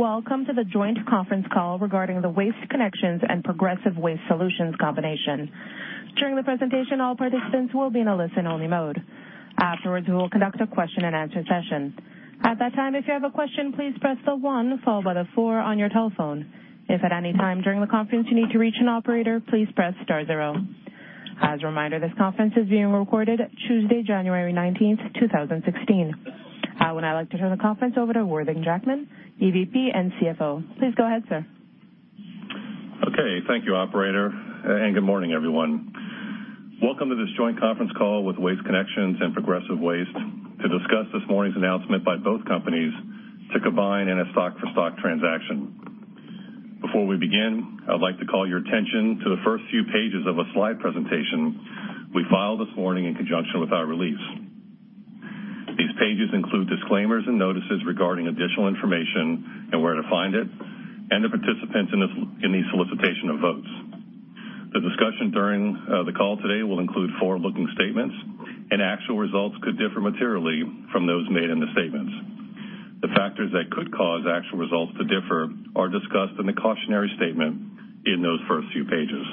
Welcome to the joint conference call regarding the Waste Connections and Progressive Waste Solutions combination. During the presentation, all participants will be in a listen-only mode. Afterwards, we will conduct a question-and-answer session. At that time, if you have a question, please press the one followed by the four on your telephone. If at any time during the conference you need to reach an operator, please press star zero. As a reminder, this conference is being recorded Tuesday, January 19th, 2016. I would now like to turn the conference over to Worthing Jackman, EVP and CFO. Please go ahead, sir. Okay. Thank you, operator, and good morning, everyone. Welcome to this joint conference call with Waste Connections and Progressive Waste to discuss this morning's announcement by both companies to combine in a stock-for-stock transaction. Before we begin, I would like to call your attention to the first few pages of a slide presentation we filed this morning in conjunction with our release. These pages include disclaimers and notices regarding additional information and where to find it, and the participants in the solicitation of votes. The discussion during the call today will include forward-looking statements. Actual results could differ materially from those made in the statements. The factors that could cause actual results to differ are discussed in the cautionary statement in those first few pages.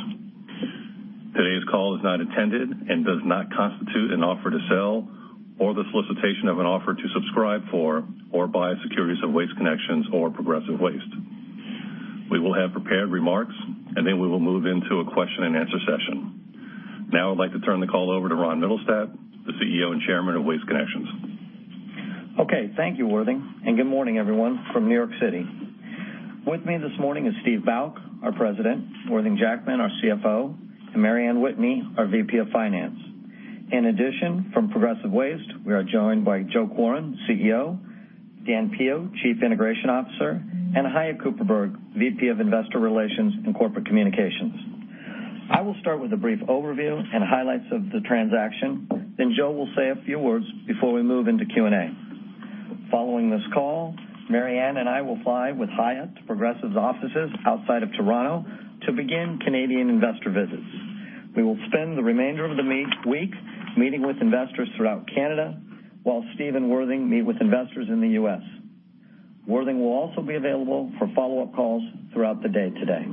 Today's call is not intended and does not constitute an offer to sell or the solicitation of an offer to subscribe for or buy securities of Waste Connections or Progressive Waste. We will have prepared remarks. Then we will move into a question-and-answer session. Now I'd like to turn the call over to Ronald Mittelstaedt, the CEO and Chairman of Waste Connections. Okay, thank you, Worthing, and good morning, everyone, from New York City. With me this morning is Steven Bouck, our President, Worthing Jackman, our CFO, and Mary Anne Whitney, our VP of Finance. In addition, from Progressive Waste, we are joined by Joseph Quarin, CEO, Dan Pio, Chief Integration Officer, and Chaya Cooperberg, VP of Investor Relations and Corporate Communications. I will start with a brief overview and highlights of the transaction. Joe will say a few words before we move into Q&A. Following this call, Mary Anne and I will fly with Chaya to Progressive's offices outside of Toronto to begin Canadian investor visits. We will spend the remainder of the week meeting with investors throughout Canada while Steve and Worthing meet with investors in the U.S. Worthing will also be available for follow-up calls throughout the day today.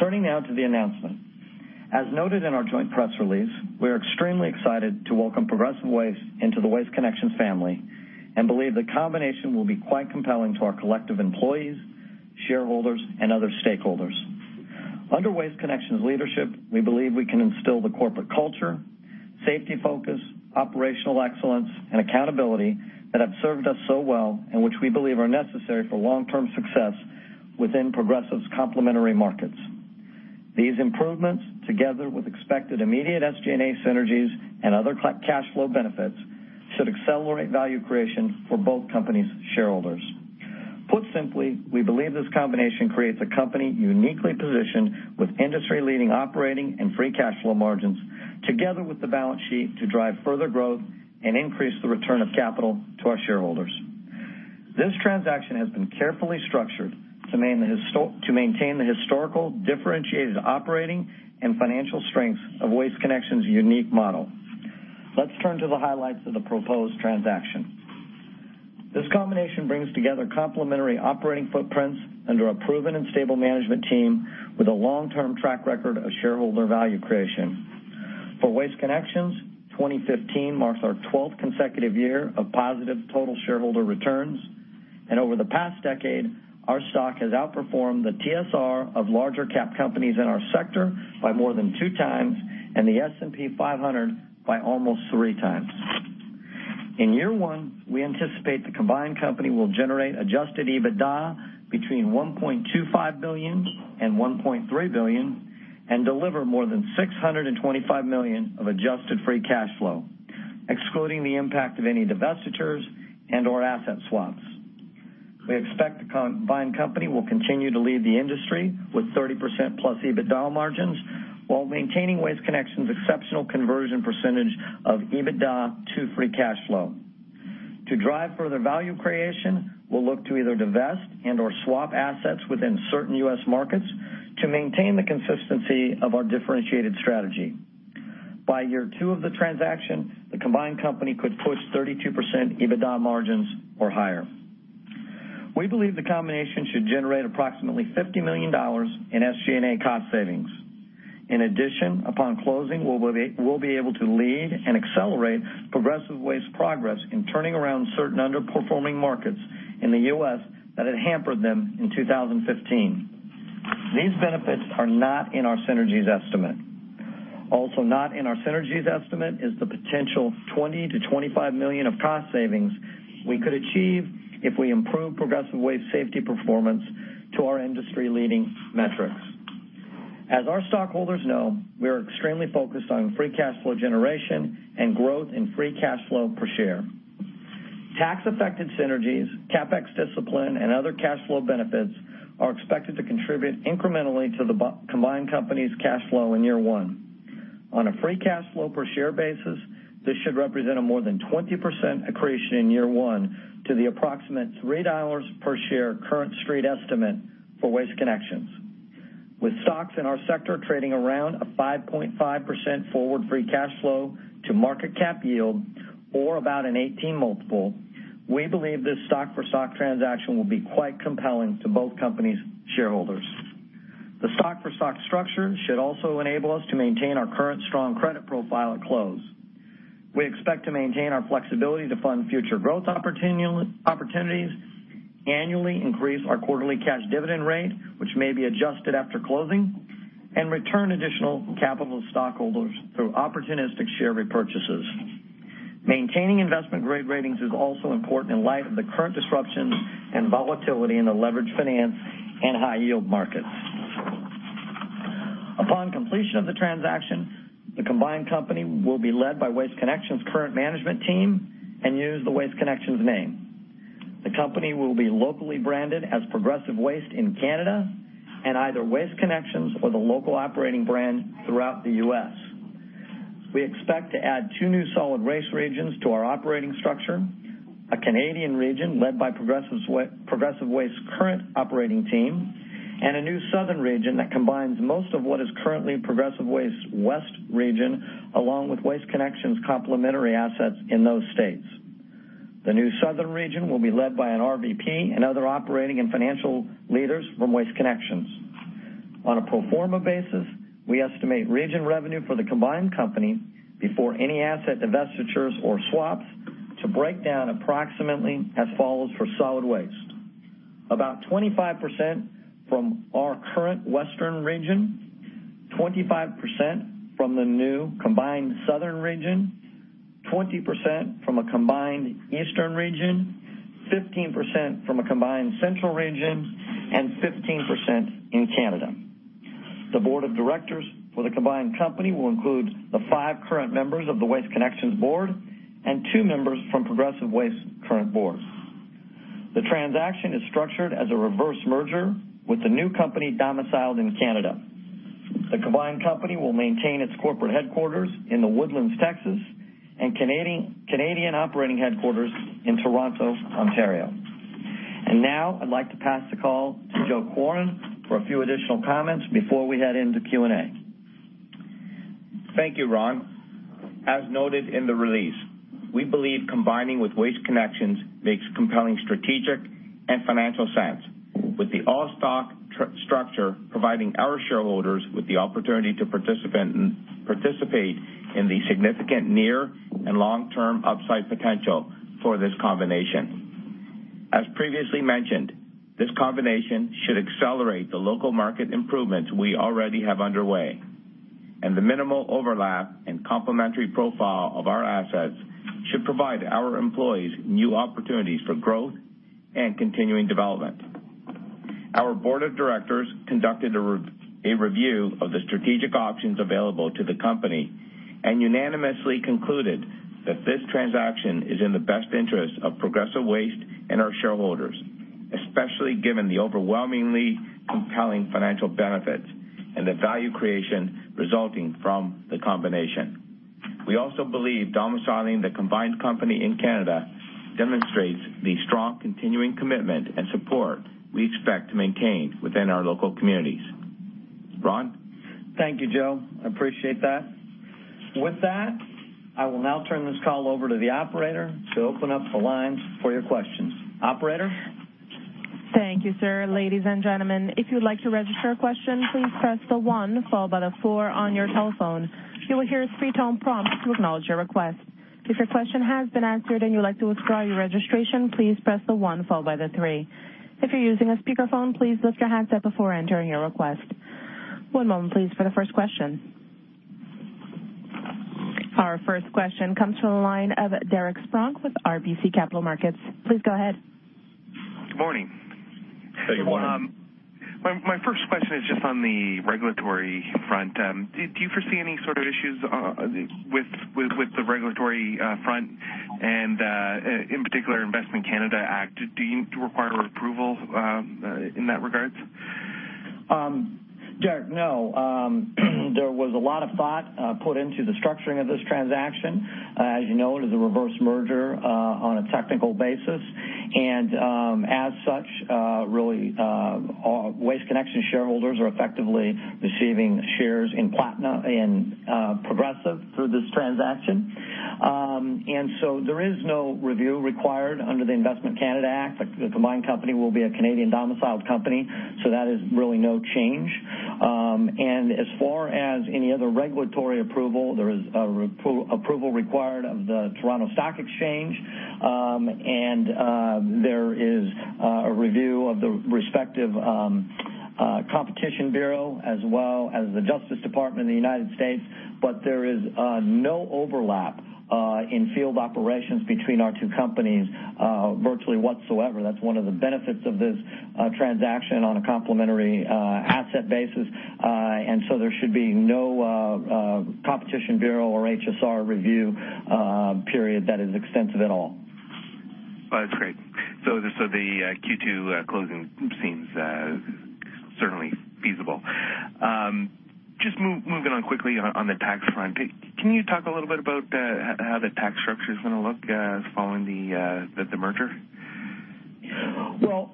Turning now to the announcement. As noted in our joint press release, we are extremely excited to welcome Progressive Waste into the Waste Connections family and believe the combination will be quite compelling to our collective employees, shareholders, and other stakeholders. Under Waste Connections' leadership, we believe we can instill the corporate culture, safety focus, operational excellence, and accountability that have served us so well and which we believe are necessary for long-term success within Progressive's complementary markets. These improvements, together with expected immediate SG&A synergies and other cash flow benefits, should accelerate value creation for both companies' shareholders. Put simply, we believe this combination creates a company uniquely positioned with industry-leading operating and free cash flow margins together with the balance sheet to drive further growth and increase the return of capital to our shareholders. This transaction has been carefully structured to maintain the historical differentiated operating and financial strengths of Waste Connections' unique model. Let's turn to the highlights of the proposed transaction. This combination brings together complementary operating footprints under a proven and stable management team with a long-term track record of shareholder value creation. For Waste Connections, 2015 marks our 12th consecutive year of positive total shareholder returns, and over the past decade, our stock has outperformed the TSR of larger cap companies in our sector by more than two times and the S&P 500 by almost three times. In year one, we anticipate the combined company will generate adjusted EBITDA between $1.25 billion and $1.3 billion and deliver more than $625 million of adjusted free cash flow, excluding the impact of any divestitures and/or asset swaps. We expect the combined company will continue to lead the industry with 30%+ EBITDA margins while maintaining Waste Connections' exceptional conversion percentage of EBITDA to free cash flow. To drive further value creation, we'll look to either divest and/or swap assets within certain U.S. markets to maintain the consistency of our differentiated strategy. By year two of the transaction, the combined company could push 32% EBITDA margins or higher. We believe the combination should generate approximately $50 million in SG&A cost savings. In addition, upon closing, we'll be able to lead and accelerate Progressive Waste's progress in turning around certain underperforming markets in the U.S. that had hampered them in 2015. These benefits are not in our synergies estimate. Also not in our synergies estimate is the potential $20 million to $25 million of cost savings we could achieve if we improve Progressive Waste's safety performance to our industry-leading metrics. As our stockholders know, we are extremely focused on free cash flow generation and growth in free cash flow per share. Tax-affected synergies, CapEx discipline, and other cash flow benefits are expected to contribute incrementally to the combined company's cash flow in year one. On a free cash flow per share basis, this should represent a more than 20% accretion in year one to the approximate $3 per share current Street estimate for Waste Connections. With stocks in our sector trading around a 5.5% forward free cash flow to market cap yield, or about an 18 multiple, we believe this stock-for-stock transaction will be quite compelling to both companies' shareholders. The stock-for-stock structure should also enable us to maintain our current strong credit profile at close. We expect to maintain our flexibility to fund future growth opportunities, annually increase our quarterly cash dividend rate, which may be adjusted after closing, and return additional capital to stockholders through opportunistic share repurchases. Maintaining investment-grade ratings is also important in light of the current disruptions and volatility in the leverage finance and high-yield markets. Upon completion of the transaction, the combined company will be led by Waste Connections' current management team and use the Waste Connections name. The company will be locally branded as Progressive Waste in Canada and either Waste Connections or the local operating brand throughout the U.S. We expect to add two new solid waste regions to our operating structure, a Canadian region led by Progressive Waste's current operating team, and a new southern region that combines most of what is currently Progressive Waste's west region, along with Waste Connections' complementary assets in those states. The new southern region will be led by an RVP and other operating and financial leaders from Waste Connections. On a pro forma basis, we estimate region revenue for the combined company before any asset divestitures or swaps to break down approximately as follows for solid waste: about 25% from our current western region, 25% from the new combined southern region, 20% from a combined eastern region, 15% from a combined central region, and 15% in Canada. The board of directors for the combined company will include the five current members of the Waste Connections board and two members from Progressive Waste's current board. The transaction is structured as a reverse merger with the new company domiciled in Canada. The combined company will maintain its corporate headquarters in The Woodlands, Texas, and Canadian operating headquarters in Toronto, Ontario. Now I'd like to pass the call to Joseph Quarin for a few additional comments before we head into Q&A. Thank you, Ron. As noted in the release, we believe combining with Waste Connections makes compelling strategic and financial sense, with the all-stock structure providing our shareholders with the opportunity to participate in the significant near and long-term upside potential for this combination. As previously mentioned, this combination should accelerate the local market improvements we already have underway, the minimal overlap and complementary profile of our assets should provide our employees new opportunities for growth and continuing development. Our board of directors conducted a review of the strategic options available to the company and unanimously concluded that this transaction is in the best interest of Progressive Waste and our shareholders, especially given the overwhelmingly compelling financial benefits and the value creation resulting from the combination. We also believe domiciling the combined company in Canada demonstrates the strong continuing commitment and support we expect to maintain within our local communities. Ron? Thank you, Joe. I appreciate that. With that, I will now turn this call over to the operator to open up the lines for your questions. Operator? Thank you, sir. Ladies and gentlemen, if you'd like to register a question, please press the one followed by the four on your telephone. You will hear a three-tone prompt to acknowledge your request. If your question has been answered and you'd like to withdraw your registration, please press the one followed by the three. If you're using a speakerphone, please lift your handset before entering your request. One moment, please, for the first question. Our first question comes from the line of Derek Spronck with RBC Capital Markets. Please go ahead. Good morning. Good morning. My first question is just on the regulatory front. Do you foresee any sort of issues with the regulatory front and, in particular, Investment Canada Act? Do you require approval in that regards? Derek, no. There was a lot of thought put into the structuring of this transaction. As you know, it is a reverse merger on a technical basis, Waste Connections shareholders are effectively receiving shares in Progressive through this transaction. There is no review required under the Investment Canada Act. The combined company will be a Canadian-domiciled company, so that is really no change. As far as any other regulatory approval, there is approval required of the Toronto Stock Exchange, and there is a review of the respective Competition Bureau, as well as the United States Department of Justice. There is no overlap in field operations between our two companies virtually whatsoever. That's one of the benefits of this transaction on a complementary asset basis, there should be no Competition Bureau or HSR review period that is extensive at all. That's great. The Q2 closing seems certainly feasible. Just moving on quickly on the tax front, can you talk a little bit about how the tax structure is going to look following the merger? Well,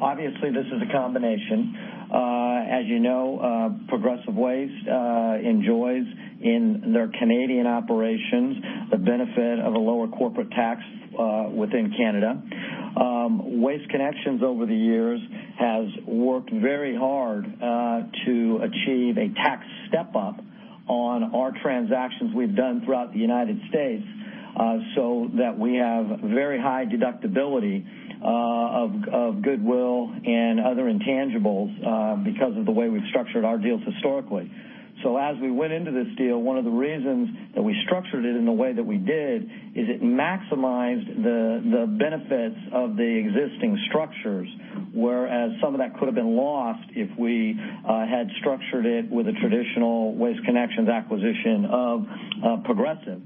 obviously, this is a combination. As you know, Progressive Waste enjoys, in their Canadian operations, the benefit of a lower corporate tax within Canada. Waste Connections, over the years, has worked very hard to achieve a tax step-up on our transactions we've done throughout the U.S., so that we have very high deductibility of goodwill and other intangibles because of the way we've structured our deals historically. As we went into this deal, one of the reasons that we structured it in the way that we did, is it maximized the benefits of the existing structures. Whereas some of that could've been lost if we had structured it with a traditional Waste Connections acquisition of Progressive.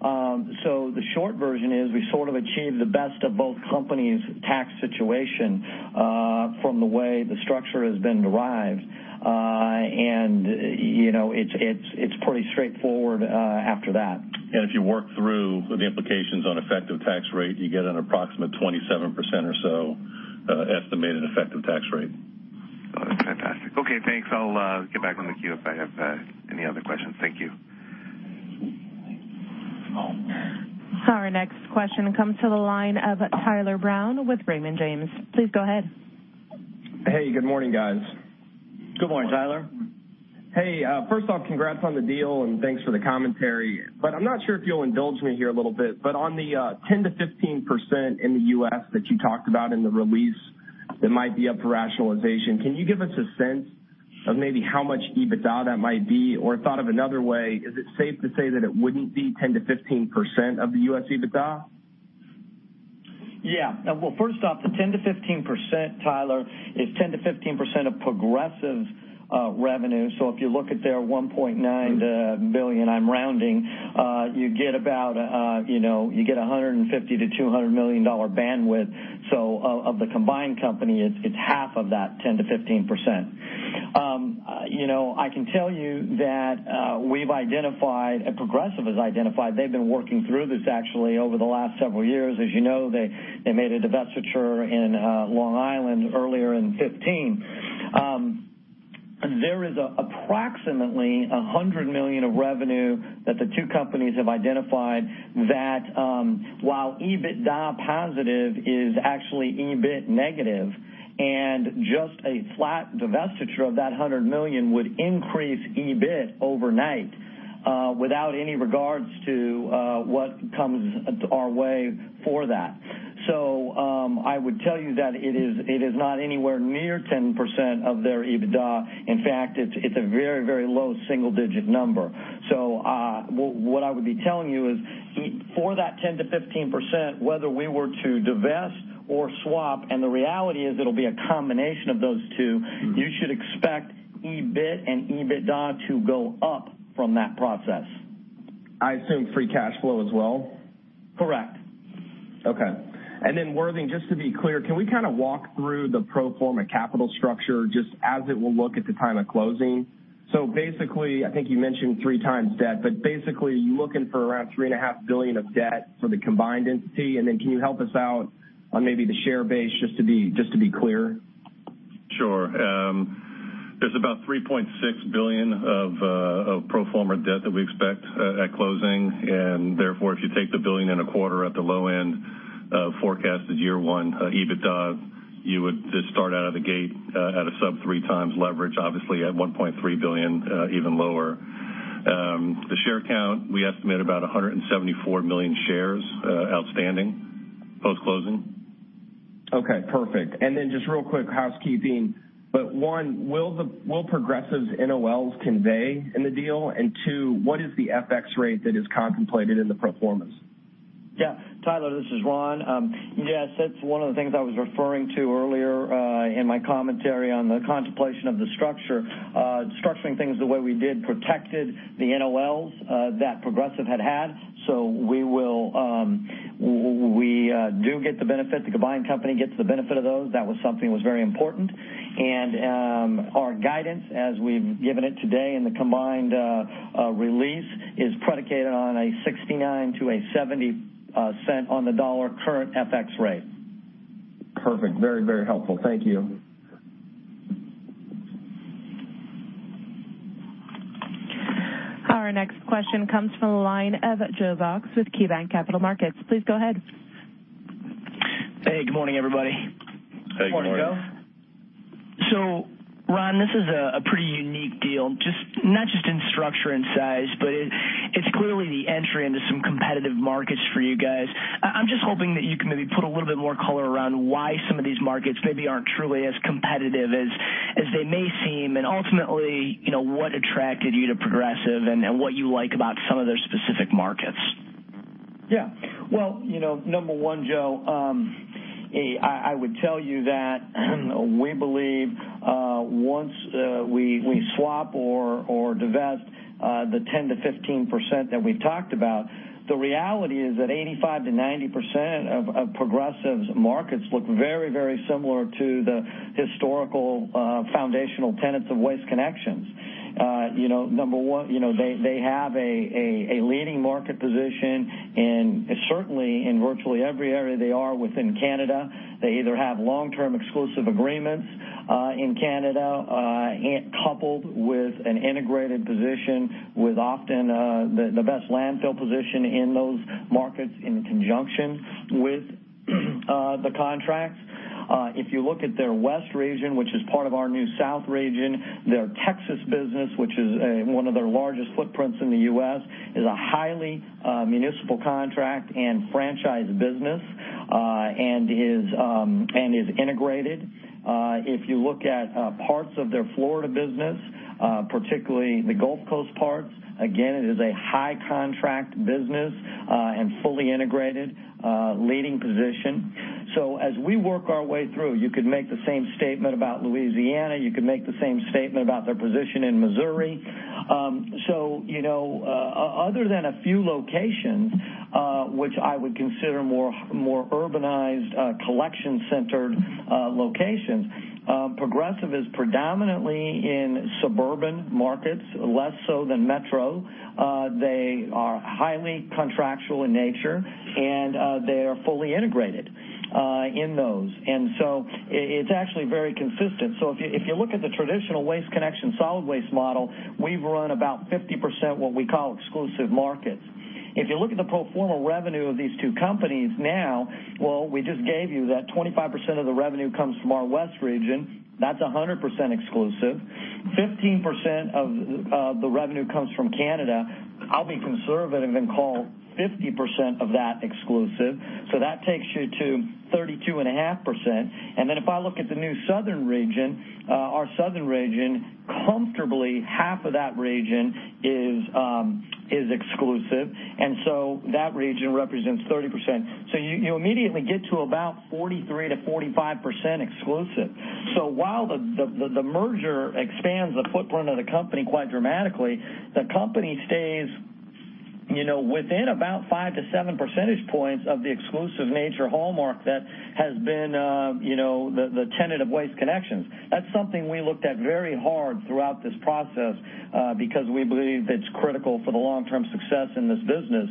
The short version is we sort of achieved the best of both companies' tax situation from the way the structure has been derived. It's pretty straightforward after that. If you work through the implications on effective tax rate, you get an approximate 27% or so estimated effective tax rate. Oh, that's fantastic. Okay, thanks. I'll get back on the queue if I have any other questions. Thank you. Our next question comes to the line of Tyler Brown with Raymond James. Please go ahead. Hey, good morning, guys. Good morning, Tyler. Hey, first off, congrats on the deal, and thanks for the commentary. I'm not sure if you'll indulge me here a little bit, but on the 10%-15% in the U.S. that you talked about in the release that might be up for rationalization, can you give us a sense of maybe how much EBITDA that might be? Or thought of another way, is it safe to say that it wouldn't be 10%-15% of the U.S. EBITDA? Yeah. Well, first off, the 10%-15%, Tyler, is 10%-15% of Progressive revenue. If you look at their $1.9 billion, I'm rounding, you get $150 million-$200 million bandwidth. Of the combined company, it's half of that 10%-15%. I can tell you that Progressive has identified, they've been working through this actually over the last several years. As you know, they made a divestiture in Long Island earlier in 2015. There is approximately $100 million of revenue that the two companies have identified that, while EBITDA positive, is actually EBIT negative. Just a flat divestiture of that $100 million would increase EBIT overnight without any regards to what comes our way for that. I would tell you that it is not anywhere near 10% of their EBITDA. In fact, it's a very low single-digit number. What I would be telling you is, for that 10%-15%, whether we were to divest or swap. you should expect EBIT and EBITDA to go up from that process. I assume free cash flow as well? Correct. Okay. Worthing, just to be clear, can we kind of walk through the pro forma capital structure, just as it will look at the time of closing? Basically, I think you mentioned 3x debt, but basically, you're looking for around $3.5 billion of debt for the combined entity. Can you help us out on maybe the share base, just to be clear? Sure. There's about $3.6 billion of pro forma debt that we expect at closing. Therefore, if you take the billion and a quarter at the low end of forecasted year 1 EBITDA, you would just start out of the gate at a sub 3x leverage, obviously at $1.3 billion, even lower. The share count, we estimate about 174 million shares outstanding post-closing. Okay, perfect. Just real quick housekeeping, one, will Progressive's NOLs convey in the deal? Two, what is the FX rate that is contemplated in the pro formas? Yeah. Tyler, this is Ron. Yes, that's one of the things I was referring to earlier in my commentary on the contemplation of the structure. Structuring things the way we did protected the NOLs that Progressive had. We do get the benefit, the combined company gets the benefit of those. That was something that was very important. Our guidance, as we've given it today in the combined release, is predicated on a 0.69 to 0.70 on the dollar current FX rate. Perfect. Very helpful. Thank you. Our next question comes from the line of Joe Box with KeyBanc Capital Markets. Please go ahead. Hey, good morning, everybody. Hey, good morning. Good morning, Joe. Ron, this is a pretty unique deal. Not just in structure and size, but it's clearly the entry into some competitive markets for you guys. I'm just hoping that you can maybe put a little bit more color around why some of these markets maybe aren't truly as competitive as they may seem, and ultimately, what attracted you to Progressive and what you like about some of their specific markets. Well, number one, Joe, I would tell you that we believe Once we swap or divest the 10%-15% that we talked about, the reality is that 85%-90% of Progressive's markets look very similar to the historical foundational tenets of Waste Connections. Number one, they have a leading market position, and certainly in virtually every area they are within Canada. They either have long-term exclusive agreements in Canada, coupled with an integrated position with often the best landfill position in those markets in conjunction with the contracts. If you look at their west region, which is part of our new south region, their Texas business, which is one of their largest footprints in the U.S., is a highly municipal contract and franchise business, and is integrated. If you look at parts of their Florida business, particularly the Gulf Coast parts, again, it is a high-contract business and fully integrated leading position. As we work our way through, you could make the same statement about Louisiana. You could make the same statement about their position in Missouri. Other than a few locations, which I would consider more urbanized, collection-centered locations, Progressive is predominantly in suburban markets, less so than metro. They are highly contractual in nature, and they are fully integrated in those. It's actually very consistent. If you look at the traditional Waste Connections solid waste model, we've run about 50% what we call exclusive markets. If you look at the pro forma revenue of these two companies now, well, we just gave you that 25% of the revenue comes from our west region. That's 100% exclusive. 15% of the revenue comes from Canada. I'll be conservative and call 50% of that exclusive. That takes you to 32.5%. If I look at the new southern region, our southern region, comfortably half of that region is exclusive, and so that region represents 30%. You immediately get to about 43%-45% exclusive. While the merger expands the footprint of the company quite dramatically, the company stays within about 5-7 percentage points of the exclusive nature hallmark that has been the tenet of Waste Connections. That's something we looked at very hard throughout this process, because we believe it's critical for the long-term success in this business.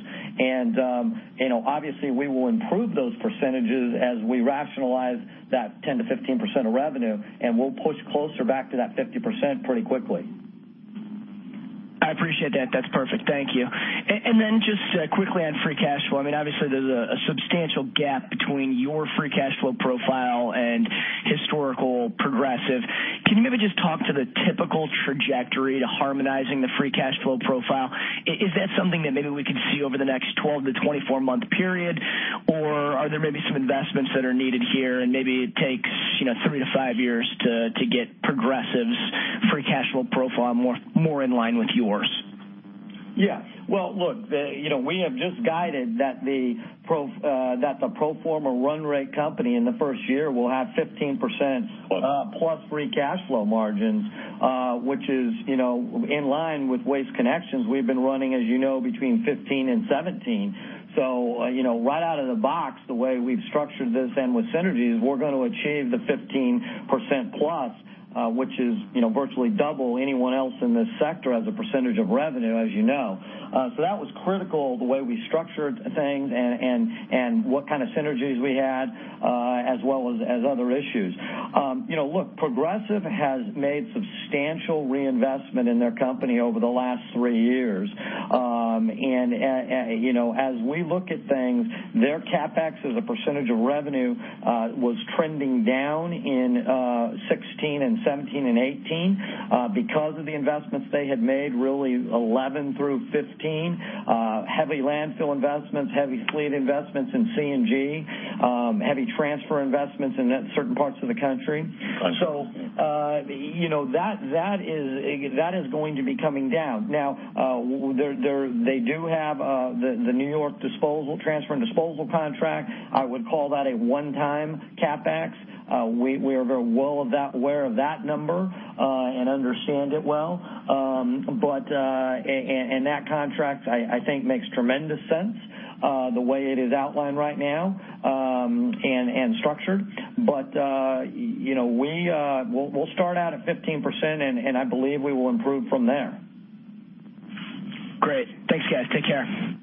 Obviously, we will improve those percentages as we rationalize that 10%-15% of revenue, and we'll push closer back to that 50% pretty quickly. I appreciate that. That's perfect. Thank you. Just quickly on free cash flow, obviously there's a substantial gap between your free cash flow profile and historical Progressive. Can you maybe just talk to the typical trajectory to harmonizing the free cash flow profile? Is that something that maybe we can see over the next 12-24-month period, or are there maybe some investments that are needed here and maybe it takes 3-5 years to get Progressive's free cash flow profile more in line with yours? Look, we have just guided that the pro forma run rate company in the first year will have 15%-plus free cash flow margins, which is in line with Waste Connections. We've been running, as you know, between 15% and 17%. Right out of the box, the way we've structured this and with synergies, we're going to achieve the 15%-plus, which is virtually double anyone else in this sector as a percentage of revenue, as you know. That was critical the way we structured things and what kind of synergies we had, as well as other issues. Look, Progressive has made substantial reinvestment in their company over the last three years. As we look at things, their CapEx as a percentage of revenue was trending down in 2016 and 2017 and 2018 because of the investments they had made, really 2011 through 2015. Heavy landfill investments, heavy fleet investments in CNG, heavy transfer investments in certain parts of the country. Got you. That is going to be coming down. Now, they do have the New York transfer and disposal contract. I would call that a one-time CapEx. We are very well aware of that number, and understand it well. That contract, I think makes tremendous sense, the way it is outlined right now, and structured. We'll start out at 15%, and I believe we will improve from there. Great. Thanks, guys. Take care.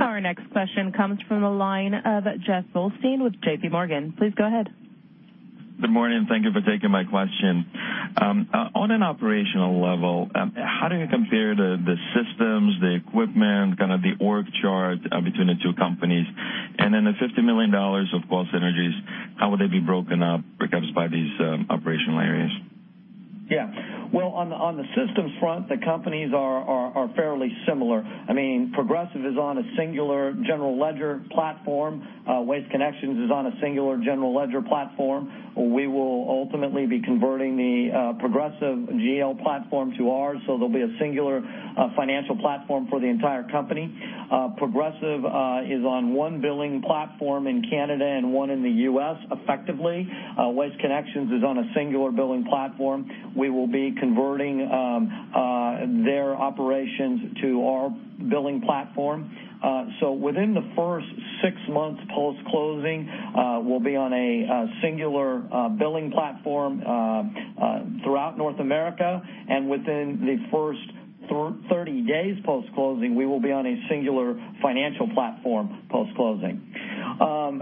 Our next question comes from the line of Jeff Volshteyn with JPMorgan. Please go ahead. Good morning. Thank you for taking my question. On an operational level, how do you compare the systems, the equipment, kind of the org chart between the two companies? Then the $50 million of cost synergies, how would they be broken up, perhaps by these operational areas? Yeah. Well, on the systems front, the companies are fairly similar. Progressive is on a singular general ledger platform. Waste Connections is on a singular general ledger platform. We will ultimately be converting the Progressive GL platform to ours, so there'll be a singular financial platform for the entire company. Progressive is on one billing platform in Canada and one in the U.S., effectively. Waste Connections is on a singular billing platform. We will be converting their operations to our billing platform. So within the first six months post-closing, we'll be on a singular billing platform throughout North America, and within the first 30 days post-closing, we will be on a singular financial platform post-closing.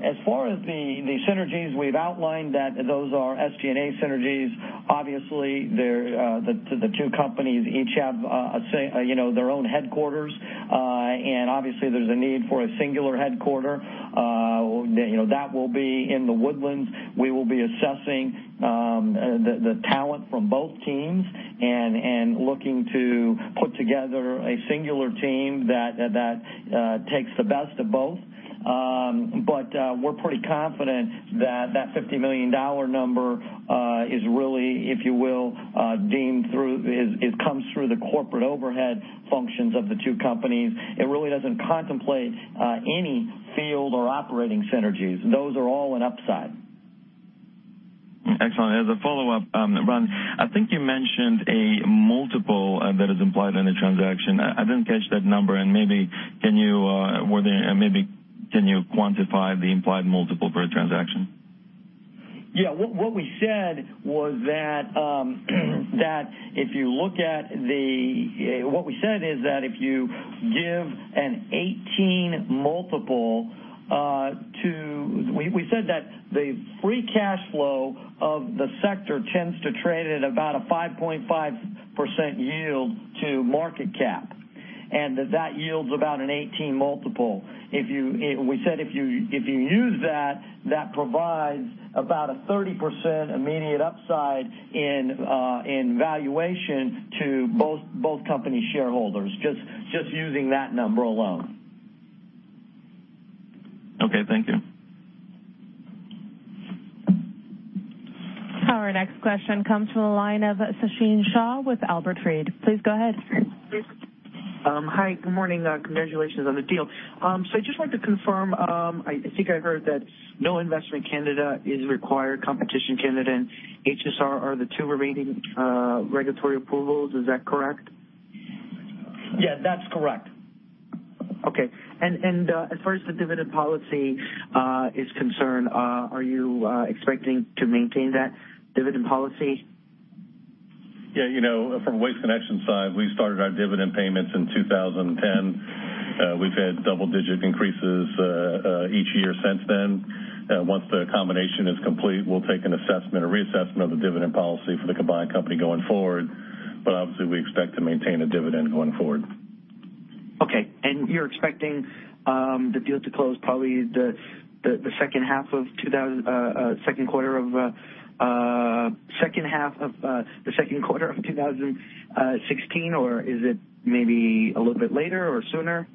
As far as the synergies, we've outlined that those are SG&A synergies. Obviously, the two companies each have their own headquarters. Obviously, there's a need for a singular headquarter. That will be in The Woodlands. We will be assessing the talent from both teams and looking to put together a singular team that takes the best of both. We're pretty confident that $50 million number is really, if you will, comes through the corporate overhead functions of the two companies. It really doesn't contemplate any field or operating synergies. Those are all an upside. Excellent. As a follow-up, Ron, I think you mentioned a multiple that is implied in the transaction. I didn't catch that number, and maybe can you quantify the implied multiple per transaction? What we said is that the free cash flow of the sector tends to trade at about a 5.5% yield to market cap, and that yields about an 18 multiple. We said if you use that provides about a 30% immediate upside in valuation to both company shareholders, just using that number alone. Okay. Thank you. Our next question comes from the line of Sachin Shah with Albert Fried. Please go ahead. Hi. Good morning. Congratulations on the deal. I just wanted to confirm, I think I heard that no Investment Canada is required. Competition Canada and HSR are the two remaining regulatory approvals. Is that correct? Yeah, that's correct. Okay. As far as the dividend policy is concerned, are you expecting to maintain that dividend policy? From Waste Connections's side, we started our dividend payments in 2010. We've had double-digit increases each year since then. Once the combination is complete, we'll take an assessment, a reassessment of the dividend policy for the combined company going forward. Obviously, we expect to maintain a dividend going forward. Okay. You're expecting the deal to close probably the second half of the second quarter of 2016, or is it maybe a little bit later or sooner?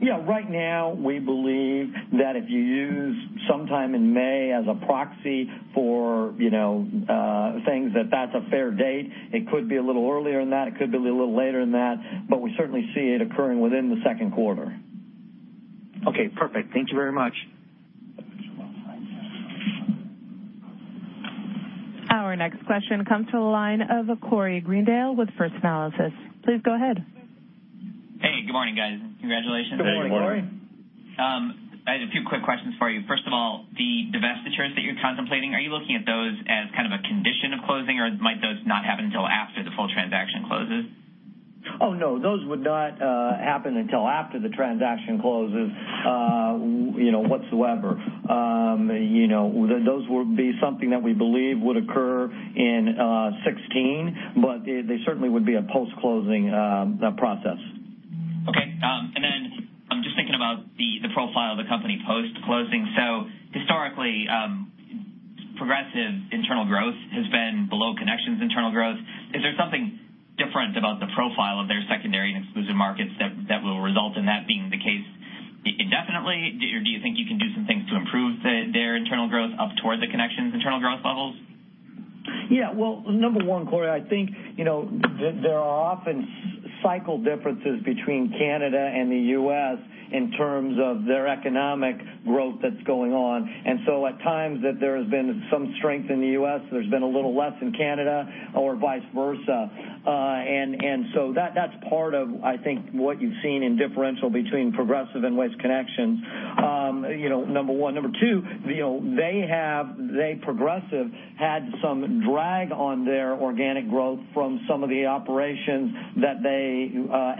Right now, we believe that if you use sometime in May as a proxy for things, that that's a fair date. It could be a little earlier than that. It could be a little later than that, we certainly see it occurring within the second quarter. Okay, perfect. Thank you very much. Our next question comes to the line of Corey Greendale with First Analysis. Please go ahead. Hey. Good morning, guys. Congratulations. Good morning, Corey. Good morning. I had a few quick questions for you. First of all, the divestitures that you're contemplating, are you looking at those as kind of a condition of closing, or might those not happen until after the full transaction closes? Oh, no, those would not happen until after the transaction closes whatsoever. Those would be something that we believe would occur in 2016, but they certainly would be a post-closing process. Okay. Just thinking about the profile of the company post-closing. Historically, Progressive internal growth has been below Connections internal growth. Is there something different about the profile of their secondary and exclusive markets that will result in that being the case indefinitely? Or do you think you can do some things to improve their internal growth up toward the Connections internal growth levels? Yeah. Well, number one, Corey, I think there are often cycle differences between Canada and the U.S. in terms of their economic growth that's going on. At times that there has been some strength in the U.S., there's been a little less in Canada or vice versa. That's part of, I think, what you've seen in differential between Progressive and Waste Connections, number one. Number two, they, Progressive, had some drag on their organic growth from some of the operations that they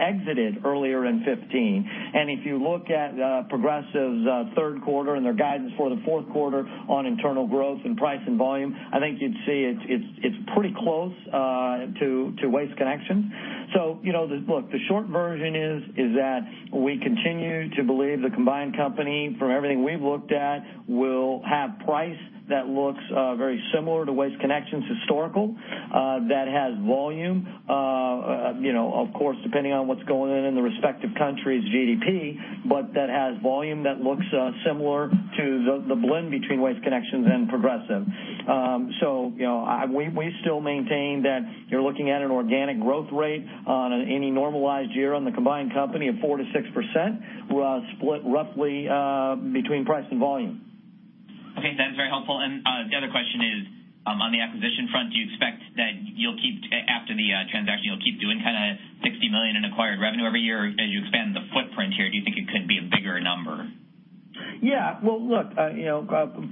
exited earlier in 2015. If you look at Progressive's third quarter and their guidance for the fourth quarter on internal growth and price and volume, I think you'd see it's pretty close to Waste Connections. Look, the short version is that we continue to believe the combined company, from everything we've looked at, will have price that looks very similar to Waste Connections' historical, that has volume, of course, depending on what's going on in the respective country's GDP, but that has volume that looks similar to the blend between Waste Connections and Progressive. We still maintain that you're looking at an organic growth rate on any normalized year on the combined company of 4%-6%, split roughly between price and volume. Okay. That is very helpful. The other question is on the acquisition front, do you expect that after the transaction, you'll keep doing $60 million in acquired revenue every year as you expand the footprint here? Do you think it could be a bigger number? Well, look,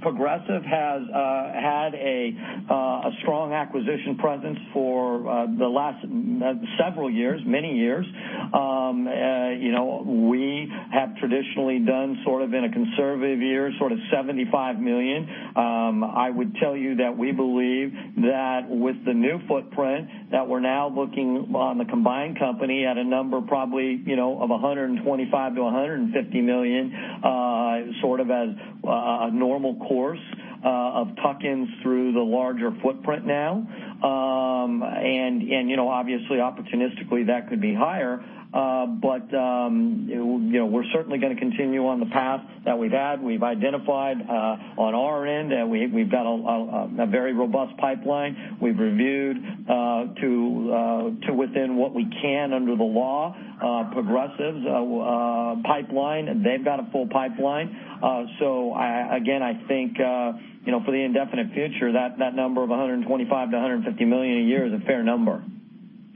Progressive has had a strong acquisition presence for the last several years, many years. We have traditionally done sort of in a conservative year, sort of $75 million. I would tell you that we believe that with the new footprint, that we're now looking on the combined company at a number probably, of $125 million-$150 million, sort of as a normal course of tuck-ins through the larger footprint now. Obviously opportunistically that could be higher. We're certainly going to continue on the path that we've had. We've identified on our end that we've got a very robust pipeline. We've reviewed to within what we can under the law, Progressive's pipeline. They've got a full pipeline. Again, I think, for the indefinite future, that number of $125 million-$150 million a year is a fair number.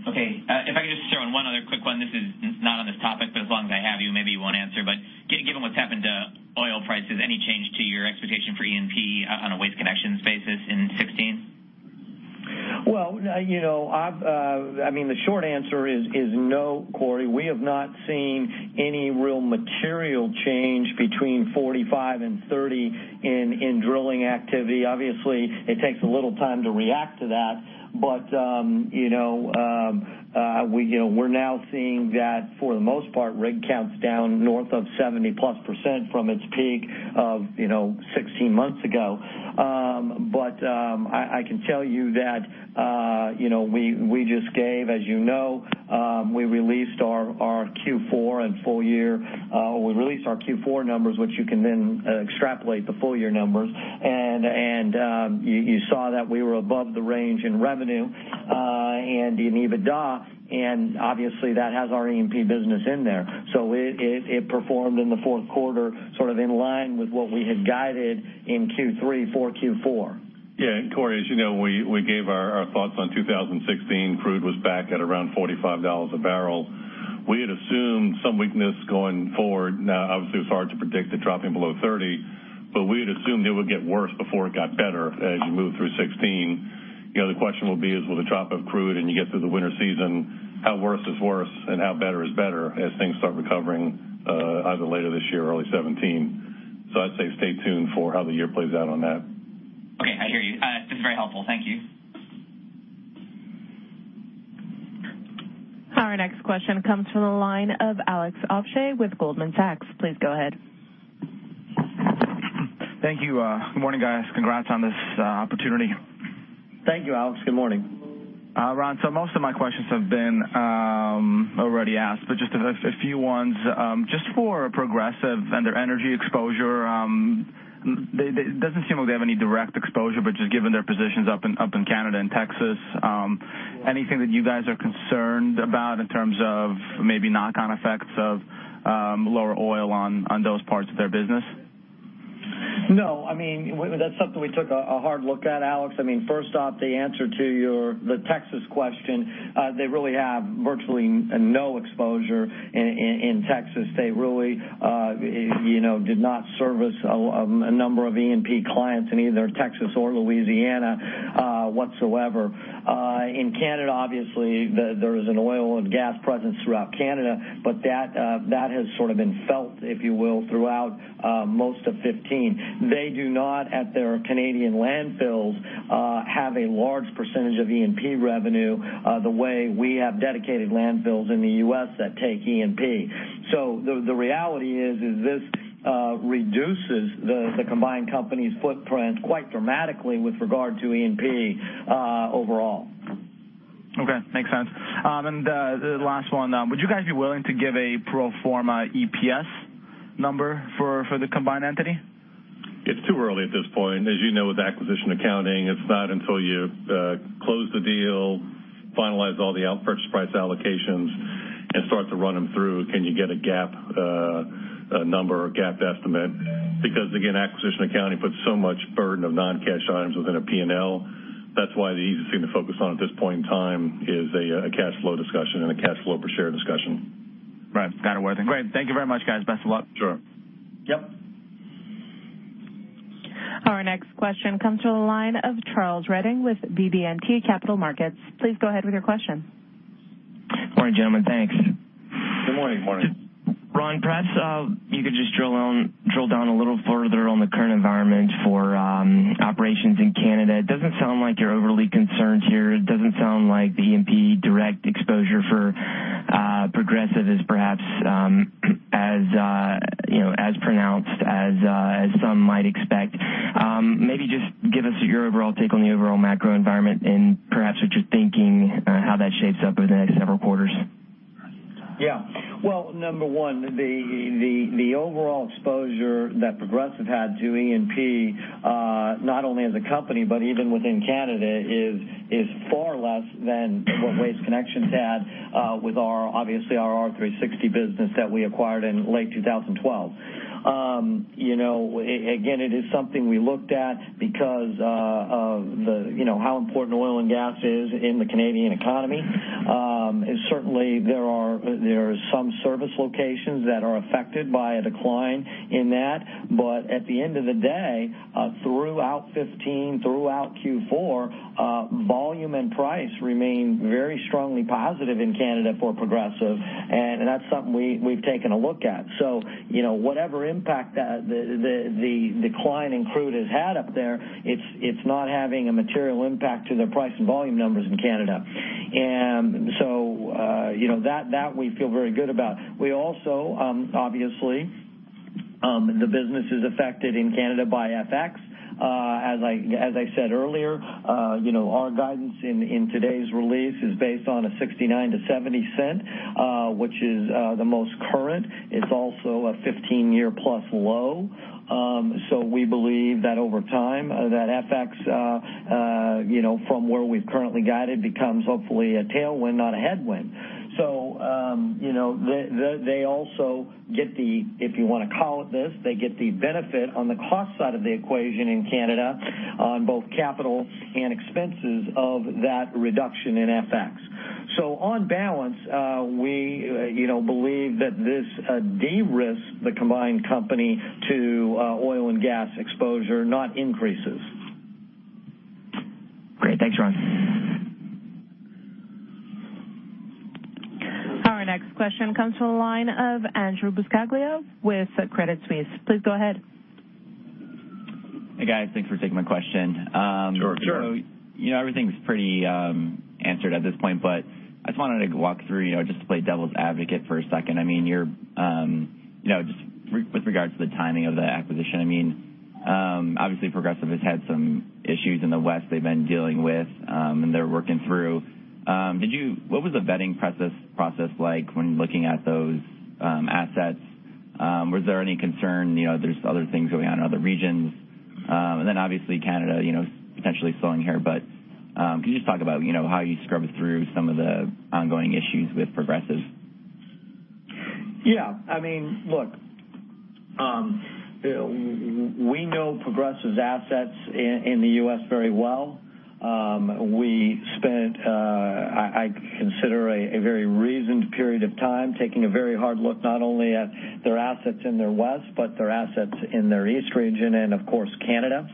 Okay. If I could just throw in one other quick one. This is not on this topic, as long as I have you, maybe you won't answer, given what's happened to oil prices, any change to your expectation for E&P on a Waste Connections basis in 2016? The short answer is no, Corey. We have not seen any real material change between $45 and $30 in drilling activity. Obviously, it takes a little time to react to that. We're now seeing that for the most part, rig count's down north of 70+% from its peak of 16 months ago. I can tell you that we just gave, as you know, we released our Q4 numbers, which you can then extrapolate the full-year numbers. You saw that we were above the range in revenue and in EBITDA, and obviously that has our E&P business in there. It performed in the fourth quarter, sort of in line with what we had guided in Q3 for Q4. Corey, as you know, we gave our thoughts on 2016. Crude was back at around $45 a barrel. We had assumed some weakness going forward. It was hard to predict it dropping below $30, we had assumed it would get worse before it got better as you move through 2016. The question will be is, will the drop of crude and you get through the winter season, how worse is worse and how better is better as things start recovering either later this year or early 2017? I'd say stay tuned for how the year plays out on that. Okay. I hear you. It's very helpful. Thank you. Our next question comes from the line of Alex Ovshey with Goldman Sachs. Please go ahead. Thank you. Good morning, guys. Congrats on this opportunity. Thank you, Alex. Good morning. Ron, most of my questions have been already asked, just a few ones. Just for Progressive and their energy exposure, it doesn't seem like they have any direct exposure, just given their positions up in Canada and Texas, anything that you guys are concerned about in terms of maybe knock-on effects of lower oil on those parts of their business? No. That's something we took a hard look at, Alex. First off, the answer to the Texas question, they really have virtually no exposure in Texas. They really did not service a number of E&P clients in either Texas or Louisiana whatsoever. In Canada, obviously, there is an oil and gas presence throughout Canada, but that has sort of been felt, if you will, throughout most of 2015. They do not, at their Canadian landfills, have a large percentage of E&P revenue the way we have dedicated landfills in the U.S. that take E&P. The reality is this reduces the combined company's footprint quite dramatically with regard to E&P overall. Okay. Makes sense. The last one, would you guys be willing to give a pro forma EPS number for the combined entity? It's too early at this point. As you know, with acquisition accounting, it's not until you close the deal, finalize all the purchase price allocations, and start to run them through, can you get a GAAP number or a GAAP estimate. Again, acquisition accounting puts so much burden of non-cash items within a P&L. The easiest thing to focus on at this point in time is a cash flow discussion and a cash flow per share discussion. Right. Got it. Worthing. Great. Thank you very much, guys. Best of luck. Sure. Yep. Our next question comes from the line of Charles Redding with BB&T Capital Markets. Please go ahead with your question. Morning, gentlemen. Thanks. Good morning. Morning. Ron, perhaps you could just drill down a little further on the current environment for operations in Canada. It doesn't sound like you're overly concerned here. It doesn't sound like the E&P direct exposure for Progressive is perhaps as pronounced as some might expect. Maybe just give us your overall take on the overall macro environment and perhaps what you're thinking, how that shapes up over the next several quarters. Number one, the overall exposure that Progressive had to E&P, not only as a company but even within Canada, is far less than what Waste Connections had with obviously our R360 business that we acquired in late 2012. Again, it is something we looked at because of how important oil and gas is in the Canadian economy. Certainly, there are some service locations that are affected by a decline in that. At the end of the day, throughout 2015, throughout Q4, volume and price remain very strongly positive in Canada for Progressive, and that's something we've taken a look at. Whatever impact the decline in crude has had up there, it's not having a material impact to their price and volume numbers in Canada. That we feel very good about. Obviously, the business is affected in Canada by FX. As I said earlier, our guidance in today's release is based on a $0.69 to $0.70, which is the most current. It's also a 15-year plus low. We believe that over time, that FX from where we've currently guided becomes hopefully a tailwind, not a headwind. They also get the, if you want to call it this, they get the benefit on the cost side of the equation in Canada on both capital and expenses of that reduction in FX. On balance, we believe that this de-risks the combined company to oil and gas exposure, not increases. Great. Thanks, Ron. Our next question comes from the line of Andrew Buscaglia with Credit Suisse. Please go ahead. Hey, guys. Thanks for taking my question. Sure. Sure. Everything's pretty answered at this point, but I just wanted to walk through just to play devil's advocate for a second. With regards to the timing of the acquisition, obviously Progressive has had some issues in the West they've been dealing with, and they're working through. What was the vetting process like when looking at those assets? Was there any concern there's other things going on in other regions? Can you just talk about how you scrubbed through some of the ongoing issues with Progressive? We know Progressive's assets in the U.S. very well. We spent, I consider, a very reasoned period of time taking a very hard look not only at their assets in their West, but their assets in their East region and of course, Canada.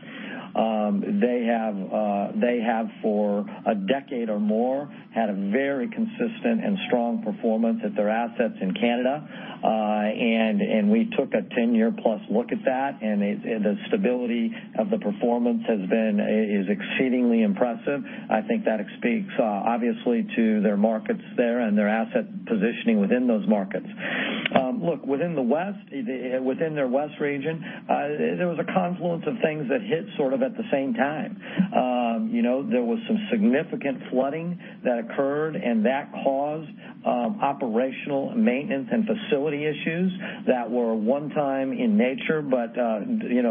They have, for a decade or more, had a very consistent and strong performance at their assets in Canada. We took a 10-year plus look at that, and the stability of the performance is exceedingly impressive. I think that speaks obviously to their markets there and their asset positioning within those markets. Within their West region, there was a confluence of things that hit sort of at the same time. There was some significant flooding that occurred, and that caused operational maintenance and facility issues that were one time in nature, but you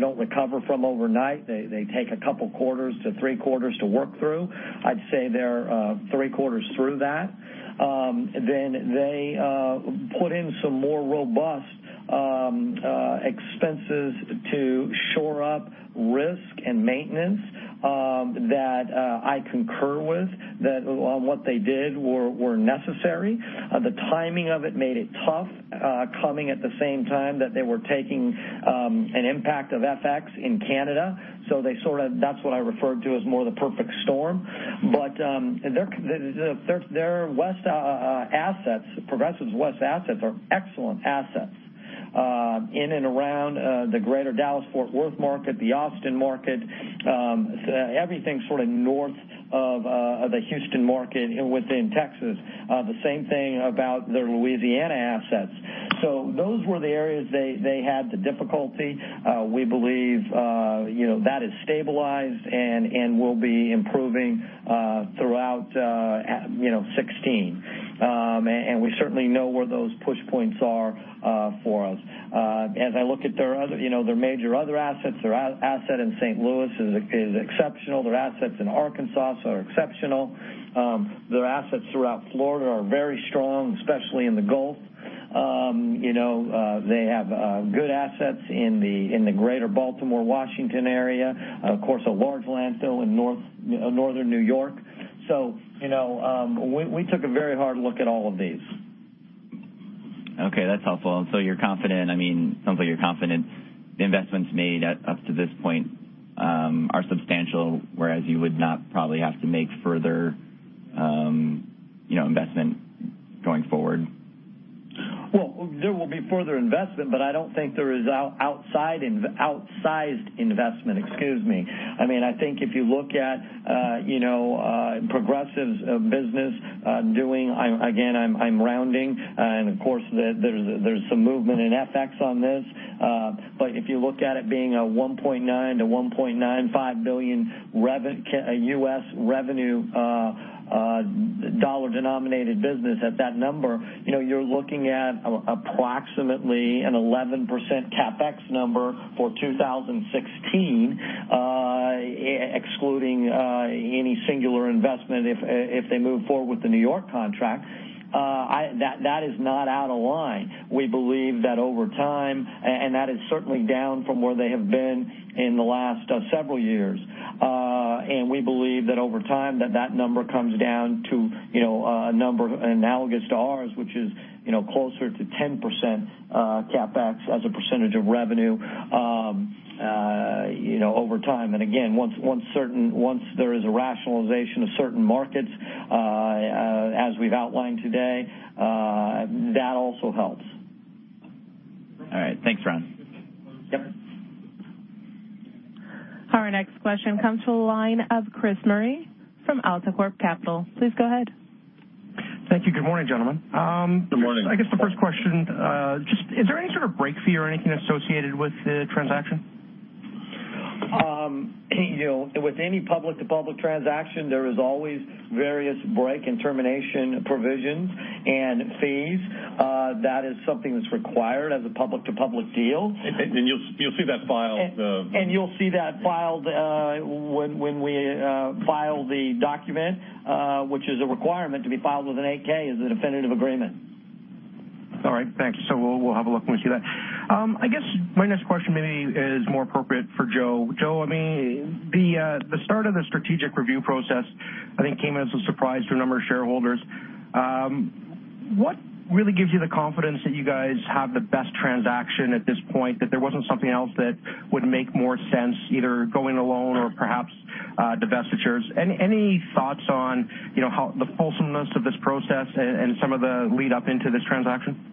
don't recover from overnight. They take a couple of quarters to three quarters to work through. I'd say they're three quarters through that. They put in some more robust expenses to shore up risk and maintenance that I concur with that on what they did were necessary. The timing of it made it tough, coming at the same time that they were taking an impact of FX in Canada. That's what I referred to as more the perfect storm. Progressive's West assets are excellent assets in and around the greater Dallas-Fort Worth market, the Austin market, everything sort of north of the Houston market and within Texas. The same thing about their Louisiana assets. Those were the areas they had the difficulty. We believe that is stabilized and will be improving throughout 2016. We certainly know where those push points are for us. As I look at their major other assets, their asset in St. Louis is exceptional. Their assets in Arkansas are exceptional. Their assets throughout Florida are very strong, especially in the Gulf. They have good assets in the greater Baltimore, Washington area. Of course, a large landfill in northern New York. We took a very hard look at all of these. Okay, that's helpful. It sounds like you're confident the investments made up to this point are substantial, whereas you would not probably have to make further investment going forward. Well, there will be further investment, but I don't think there is outsized investment. Excuse me. I think if you look at Progressive's business doing, again, I'm rounding, and of course, there's some movement in FX on this. If you look at it being a $1.9 billion-$1.95 billion U.S. revenue dollar-denominated business at that number, you're looking at approximately an 11% CapEx number for 2016, excluding any singular investment if they move forward with the New York contract. That is not out of line. We believe that over time, and that is certainly down from where they have been in the last several years. We believe that over time, that number comes down to a number analogous to ours, which is closer to 10% CapEx as a percentage of revenue over time. Again, once there is a rationalization of certain markets, as we've outlined today, that also helps. All right. Thanks, Ron. Yep. Our next question comes to the line of Chris Murray from AltaCorp Capital. Please go ahead. Thank you. Good morning, gentlemen. Good morning. I guess the first question, just is there any sort of break fee or anything associated with the transaction? With any public-to-public transaction, there is always various break and termination provisions and fees. That is something that's required as a public-to-public deal. You'll see that. You'll see that filed when we file the document, which is a requirement to be filed with an 8-K as a definitive agreement. All right. Thanks. We'll have a look when we see that. I guess my next question maybe is more appropriate for Joe. Joe, the start of the strategic review process, I think, came as a surprise to a number of shareholders. What really gives you the confidence that you guys have the best transaction at this point, that there wasn't something else that would make more sense, either going alone or perhaps divestitures? Any thoughts on the wholesomeness of this process and some of the lead up into this transaction?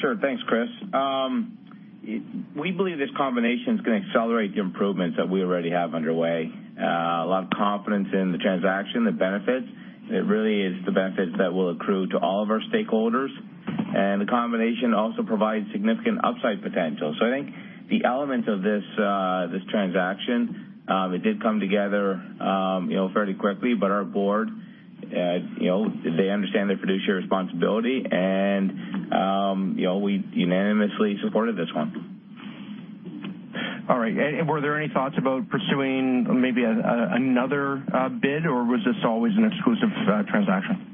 Sure. Thanks, Chris. We believe this combination is going to accelerate the improvements that we already have underway. A lot of confidence in the transaction, the benefits. It really is the benefits that will accrue to all of our stakeholders. The combination also provides significant upside potential. I think the elements of this transaction, it did come together fairly quickly, but our board, they understand their fiduciary responsibility and we unanimously supported this one. All right. Were there any thoughts about pursuing maybe another bid, or was this always an exclusive transaction?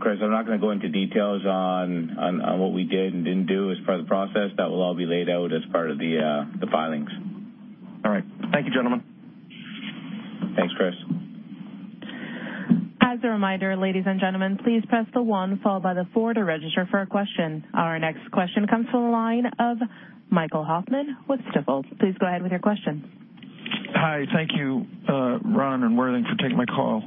Chris, I'm not going to go into details on what we did and didn't do as part of the process. That will all be laid out as part of the filings. All right. Thank you, gentlemen. Thanks, Chris. As a reminder, ladies and gentlemen, please press the one followed by the four to register for a question. Our next question comes from the line of Michael Hoffman with Stifel. Please go ahead with your question. Hi. Thank you, Ron and Worthing for taking my call.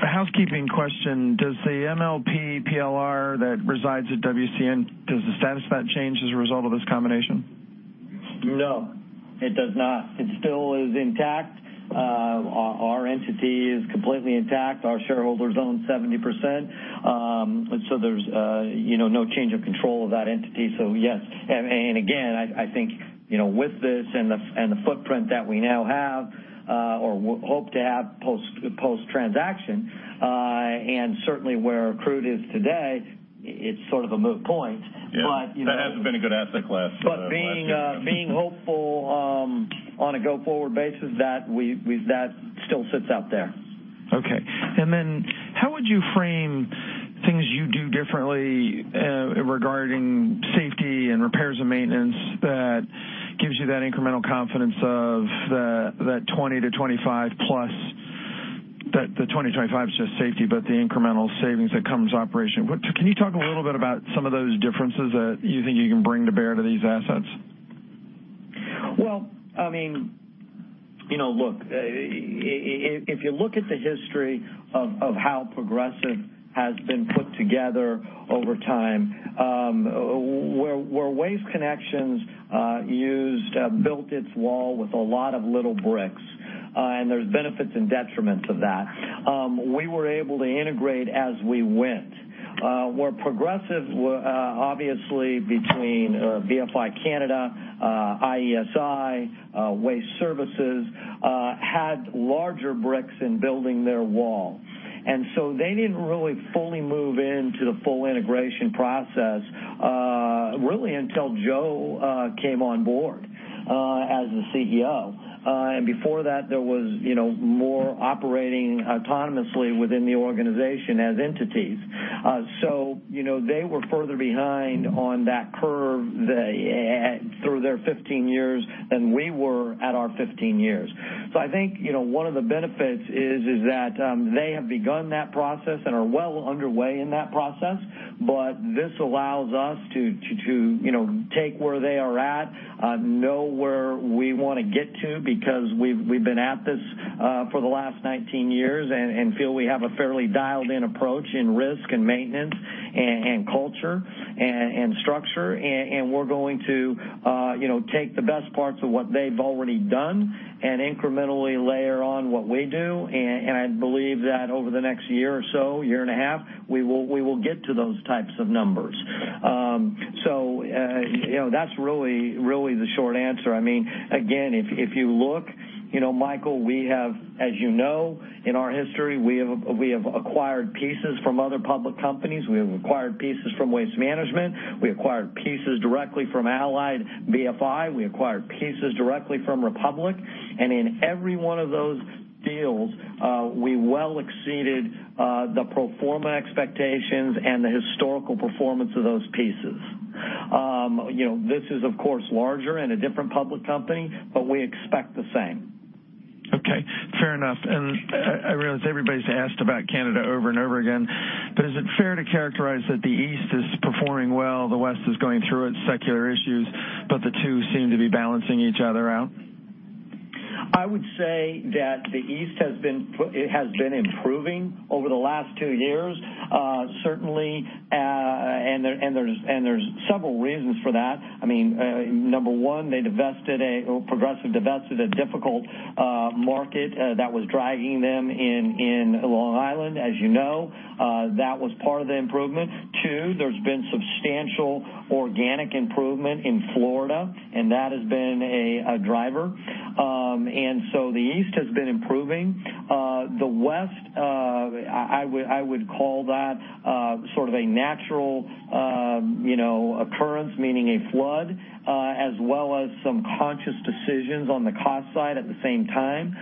A housekeeping question. Does the MLP PLR that resides at WCN, does the status of that change as a result of this combination? No, it does not. It still is intact. Our entity is completely intact. Our shareholders own 70%, so there's no change of control of that entity. Yes. Again, I think with this and the footprint that we now have or hope to have post-transaction, and certainly where crude is today, it's sort of a moot point. Yeah. That hasn't been a good asset class the last few years Being hopeful on a go-forward basis, that still sits out there. Okay. How would you frame things you do differently regarding safety and repairs and maintenance that gives you that incremental confidence of that 20-25+, the 20-25 is just safety, but the incremental savings that comes operation. Can you talk a little bit about some of those differences that you think you can bring to bear to these assets? Well, look, if you look at the history of how Progressive has been put together over time, where Waste Connections built its wall with a lot of little bricks. There's benefits and detriments of that. We were able to integrate as we went. Where Progressive, obviously between BFI Canada, IESI, Waste Services, had larger bricks in building their wall. They didn't really fully move into the full integration process Really until Joe came on board as the CEO. Before that, there was more operating autonomously within the organization as entities. They were further behind on that curve through their 15 years than we were at our 15 years. I think, one of the benefits is that they have begun that process and are well underway in that process. This allows us to take where they are at, know where we want to get to, because we've been at this for the last 19 years and feel we have a fairly dialed-in approach in risk and maintenance and culture and structure. We're going to take the best parts of what they've already done and incrementally layer on what we do. I believe that over the next year or so, year and a half, we will get to those types of numbers. That's really the short answer. Again, if you look, Michael, we have, as you know, in our history, we have acquired pieces from other public companies. We have acquired pieces from Waste Management. We acquired pieces directly from Allied BFI. We acquired pieces directly from Republic. In every one of those deals, we well exceeded the pro forma expectations and the historical performance of those pieces. This is, of course, larger and a different public company, but we expect the same. Okay. Fair enough. I realize everybody's asked about Canada over and over again, but is it fair to characterize that the East is performing well, the West is going through its secular issues, but the two seem to be balancing each other out? I would say that the East has been improving over the last two years. Certainly, there's several reasons for that. Number 1, Progressive divested a difficult market that was dragging them in Long Island, as you know. That was part of the improvement. 2, there's been substantial organic improvement in Florida, and that has been a driver. The East has been improving. The West, I would call that sort of a natural occurrence, meaning a flood, as well as some conscious decisions on the cost side at the same time.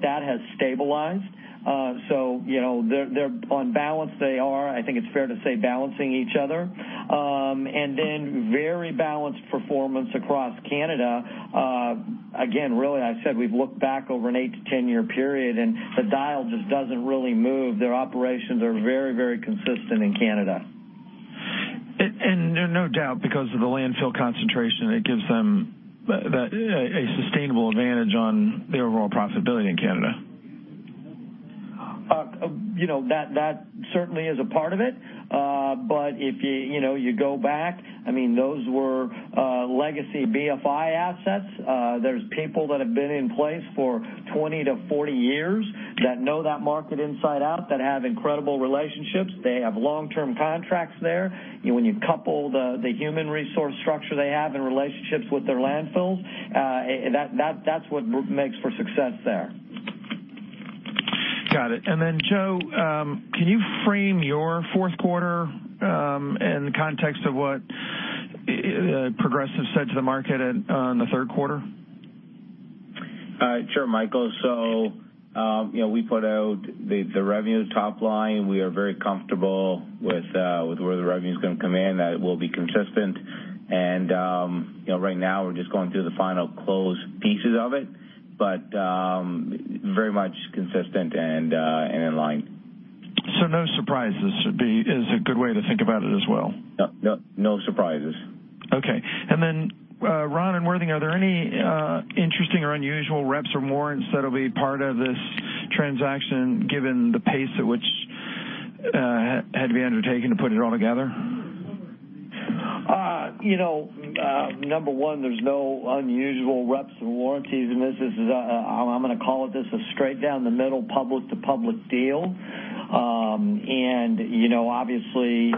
That has stabilized. On balance, they are, I think it's fair to say, balancing each other. Very balanced performance across Canada. Again, really, I said we've looked back over an 8-10 year period, and the dial just doesn't really move. Their operations are very consistent in Canada. No doubt because of the landfill concentration, it gives them a sustainable advantage on the overall profitability in Canada. That certainly is a part of it. If you go back, those were legacy BFI assets. There's people that have been in place for 20 to 40 years that know that market inside out, that have incredible relationships. They have long-term contracts there. When you couple the human resource structure they have and relationships with their landfills, that's what makes for success there. Got it. Then, Joe, can you frame your fourth quarter in the context of what Progressive said to the market on the third quarter? Sure, Michael. We put out the revenue top line. We are very comfortable with where the revenue is going to come in, that it will be consistent. Right now, we're just going through the final close pieces of it, but very much consistent and in line. No surprises is a good way to think about it as well. No surprises. Okay. Ron and Worthing, are there any interesting or unusual reps or warrants that'll be part of this transaction given the pace at which had to be undertaken to put it all together? Number one, there's no unusual reps and warranties in this. I'm going to call it, this a straight down the middle public to public deal. Obviously,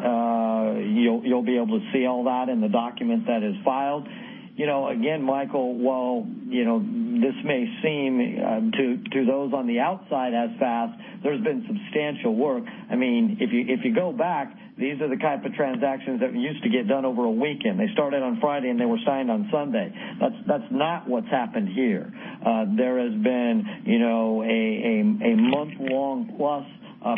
you'll be able to see all that in the document that is filed. Again, Michael, while this may seem to those on the outside as fast, there's been substantial work. If you go back, these are the type of transactions that used to get done over a weekend. They started on Friday, and they were signed on Sunday. That's not what's happened here. There has been a month-long plus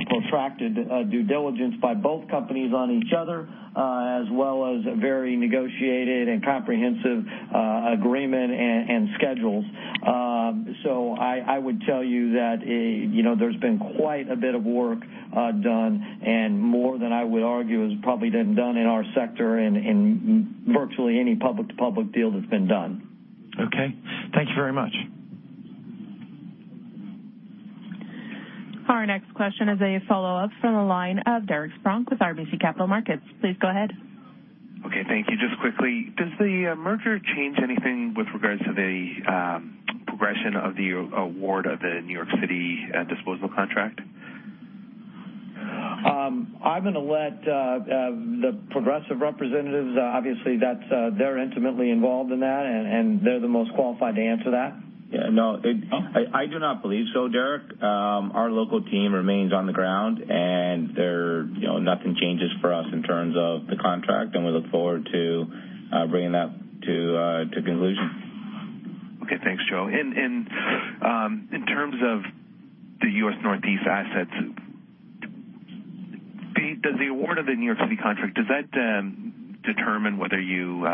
protracted due diligence by both companies on each other, as well as a very negotiated and comprehensive agreement and schedules. I would tell you that there's been quite a bit of work done, and more than I would argue has probably been done in our sector in virtually any public to public deal that's been done. Okay. Thank you very much. Our next question is a follow-up from the line of Derek Spronck with RBC Capital Markets. Please go ahead. Okay. Thank you. Just quickly, does the merger change anything with regards to the progression of the award of the New York City disposal contract? I'm going to let the Progressive representatives, obviously they're intimately involved in that, and they're the most qualified to answer that. Yeah, no. I do not believe so, Derek. Our local team remains on the ground, and nothing changes for us in terms of the contract, and we look forward to bringing that to conclusion. Okay. Thanks, Joe. In terms of the U.S. Northeast assets, does the award of the New York City contract determine whether you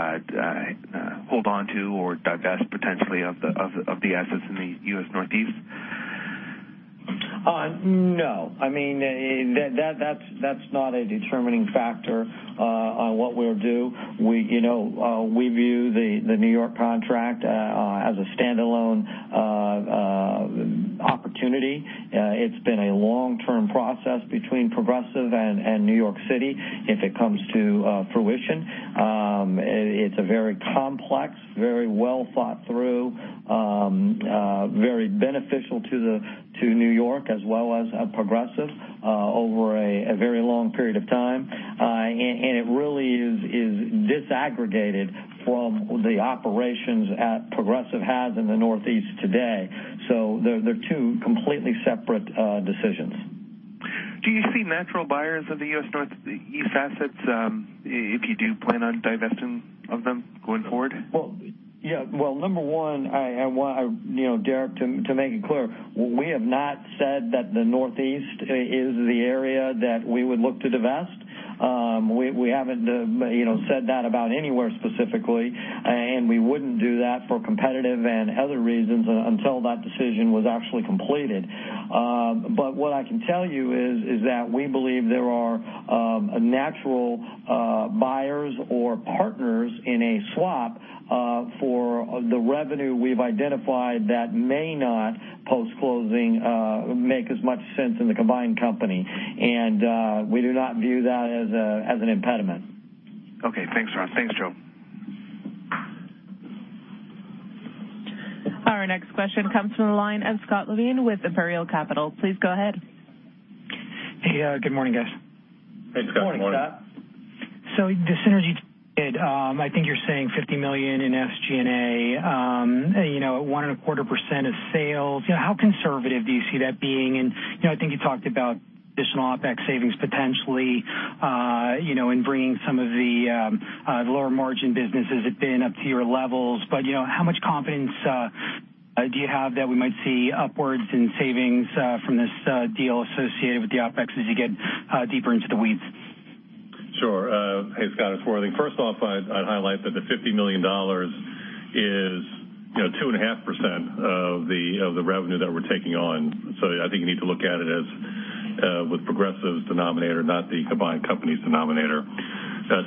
hold on to or divest potentially of the assets in the U.S. Northeast? No. That's not a determining factor on what we'll do. We view the New York contract as a standalone opportunity. It's been a long-term process between Progressive and New York City if it comes to fruition. It's very complex, very well thought through, very beneficial to New York as well as Progressive over a very long period of time. It really is disaggregated from the operations Progressive has in the Northeast today. They're two completely separate decisions. Do you see natural buyers of the U.S. Northeast assets if you do plan on divesting them going forward? Well, number one, Derek, to make it clear, we have not said that the Northeast is the area that we would look to divest. We haven't said that about anywhere specifically, and we wouldn't do that for competitive and other reasons until that decision was actually completed. What I can tell you is that we believe there are natural buyers or partners in a swap for the revenue we've identified that may not, post-closing, make as much sense in the combined company. We do not view that as an impediment. Okay. Thanks, Ron. Thanks, Joe. Our next question comes from the line of Scott Levine with Imperial Capital. Please go ahead. Hey, good morning, guys. Hey, Scott. Good morning. Good morning, Scott. The synergy, I think you're saying $50 million in SG&A, at one and a quarter % of sales. How conservative do you see that being? I think you talked about additional OPEX savings potentially, in bringing some of the lower margin businesses have been up to your levels. How much confidence do you have that we might see upwards in savings from this deal associated with the OPEX as you get deeper into the weeds? Sure. Hey, Scott, it's Worthing. First off, I'd highlight that the $50 million is 2.5% of the revenue that we're taking on. I think you need to look at it as with Progressive's denominator, not the combined company's denominator.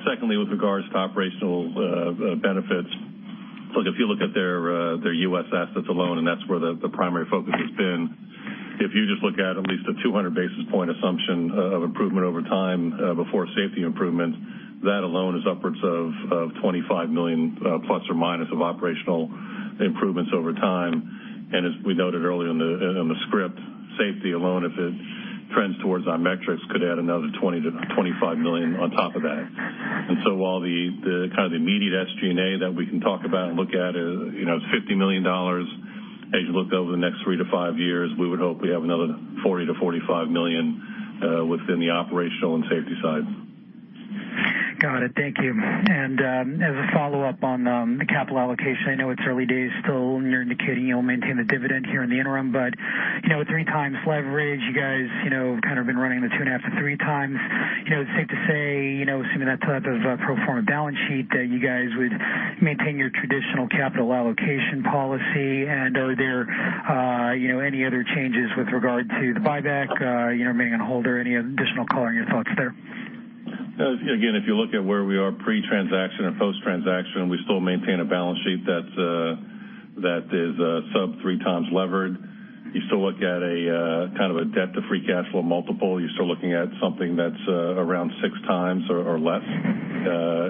Secondly, with regards to operational benefits, if you look at their U.S. assets alone, and that's where the primary focus has been, if you just look at at least a 200 basis point assumption of improvement over time before safety improvements, that alone is upwards of $25 million ± of operational improvements over time. As we noted earlier in the script, safety alone, if it trends towards our metrics, could add another $20 million-$25 million on top of that. While the immediate SG&A that we can talk about and look at is $50 million, as you look over the next 3-5 years, we would hope we have another $40 million-$45 million within the operational and safety side. Got it. Thank you. As a follow-up on the capital allocation, I know it's early days still, and you're indicating you'll maintain the dividend here in the interim, but with 3 times leverage, you guys have been running the 2.5 times to 3 times. It's safe to say, assuming that type of pro forma balance sheet, that you guys would maintain your traditional capital allocation policy. Are there any other changes with regard to the buyback, remaining on hold or any additional coloring or thoughts there? Again, if you look at where we are pre-transaction and post-transaction, we still maintain a balance sheet that is sub 3 times levered. You still look at a debt to free cash flow multiple. You're still looking at something that's around 6 times or less.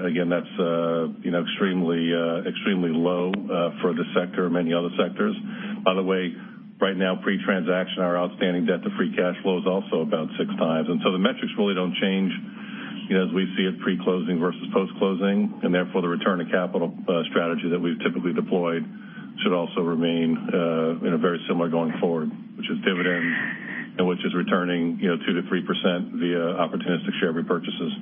Again, that's extremely low for the sector, many other sectors. By the way, right now, pre-transaction, our outstanding debt to free cash flow is also about 6 times. The metrics really don't change as we see it pre-closing versus post-closing, and therefore, the return of capital strategy that we've typically deployed should also remain very similar going forward, which is dividends, and which is returning 2%-3% via opportunistic share repurchases.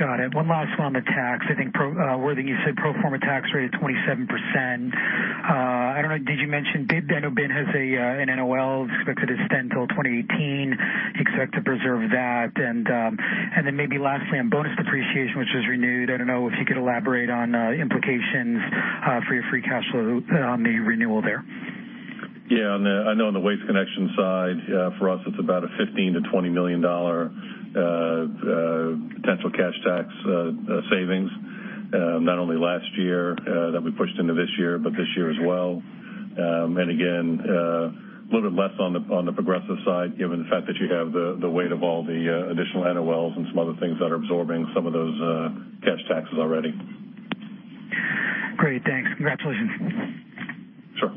Got it. One last one on the tax. I think, Worthing, you said pro forma tax rate of 27%. I don't know, did you mention, progressive has an NOL expected to extend till 2018, expect to preserve that, and then maybe lastly on bonus depreciation, which was renewed, I don't know if you could elaborate on the implications for your free cash flow on the renewal there. Yeah, I know on the Waste Connections side, for us, it's about a $15 million-$20 million potential cash tax savings, not only last year that we pushed into this year, but this year as well. Again, a little bit less on the Progressive side, given the fact that you have the weight of all the additional NOLs and some other things that are absorbing some of those cash taxes already. Great. Thanks. Congratulations. Sure.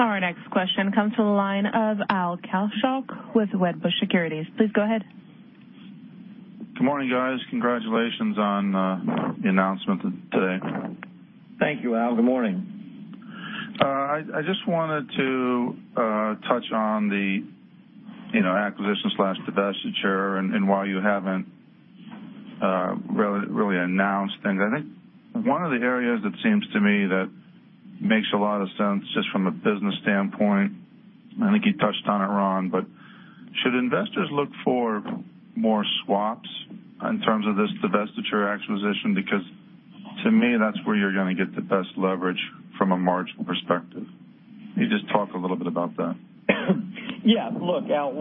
Our next question comes from the line of Al Kaschalk with Wedbush Securities. Please go ahead. Good morning, guys. Congratulations on the announcement today. Thank you, Al. Good morning. I just wanted to touch on the acquisition/divestiture and why you haven't really announced anything. I think one of the areas that seems to me that makes a lot of sense just from a business standpoint, I think you touched on it, Ron. Should investors look for more swaps in terms of this divestiture acquisition? To me, that's where you're going to get the best leverage from a margin perspective. Can you just talk a little bit about that? Look, Al,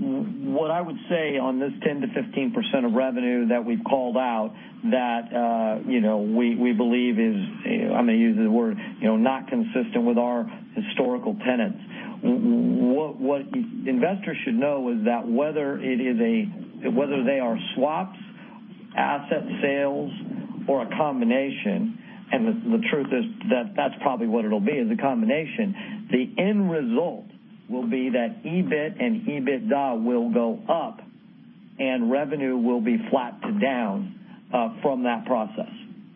what I would say on this 10%-15% of revenue that we've called out that we believe is, I'm going to use the word, not consistent with our historical tenets. What investors should know is that whether they are swaps, asset sales, or a combination, and the truth is that's probably what it'll be, is a combination. The end result will be that EBIT and EBITDA will go up and revenue will be flat to down from that process.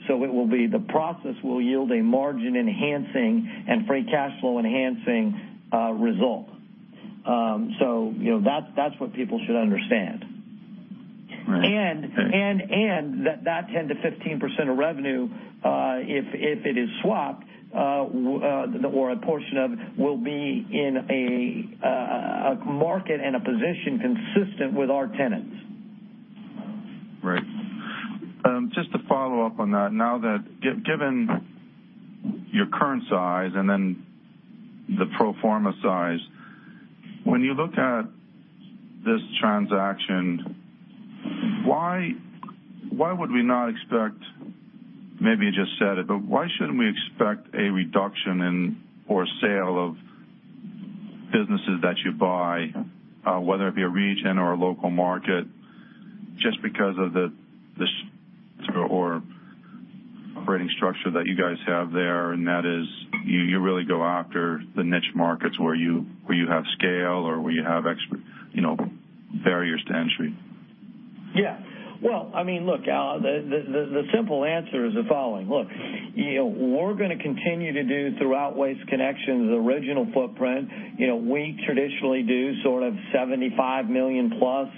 It will be the process will yield a margin-enhancing and free cash flow-enhancing result. That's what people should understand. Right. That 10%-15% of revenue, if it is swapped, or a portion of, will be in a market and a position consistent with our tenets. Right. Just to follow up on that, now that given your current size and then the pro forma size, when you look at this transaction, why would we not expect, maybe you just said it, but why shouldn't we expect a reduction in or sale of businesses that you buy, whether it be a region or a local market, just because of this or operating structure that you guys have there, and that is, you really go after the niche markets where you have scale or where you have barriers to entry? Al Kaschalk, the simple answer is the following. Look, we're going to continue to do throughout Waste Connections' original footprint. We traditionally do sort of $75 million plus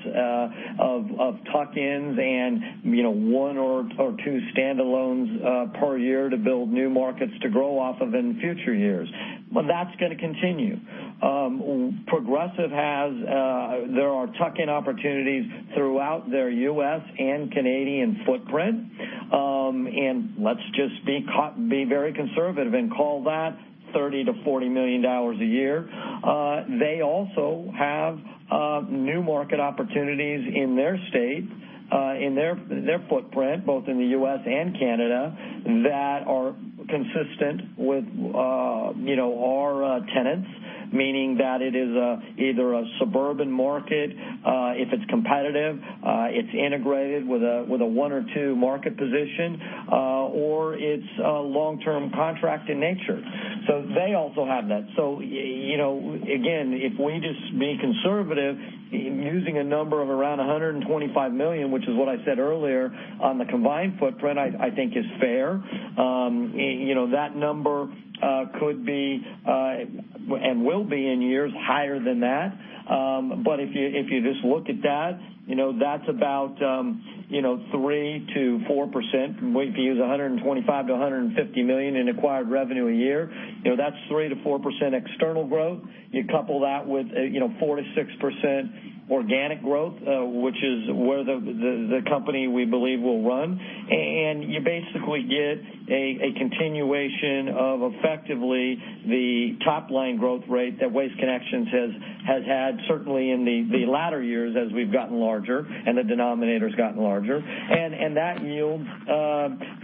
of tuck-ins and one or two standalones per year to build new markets to grow off of in future years. That's going to continue. There are tuck-in opportunities throughout their U.S. and Canadian footprint. Let's just be very conservative and call that $30 million-$40 million a year. They also have new market opportunities in their state, in their footprint, both in the U.S. and Canada, that are consistent with our tenets, meaning that it is either a suburban market, if it's competitive, it's integrated with a one or two market position, or it's long-term contract in nature. They also have that. Again, if we just be conservative in using a number of around $125 million, which is what I said earlier, on the combined footprint, I think is fair. That number could be, and will be in years, higher than that. If you just look at that's about 3%-4% if you use $125 million-$150 million in acquired revenue a year. That's 3%-4% external growth. You couple that with 4%-6% organic growth, which is where the company, we believe, will run, and you basically get a continuation of effectively the top-line growth rate that Waste Connections has had, certainly in the latter years as we've gotten larger and the denominator's gotten larger. That yields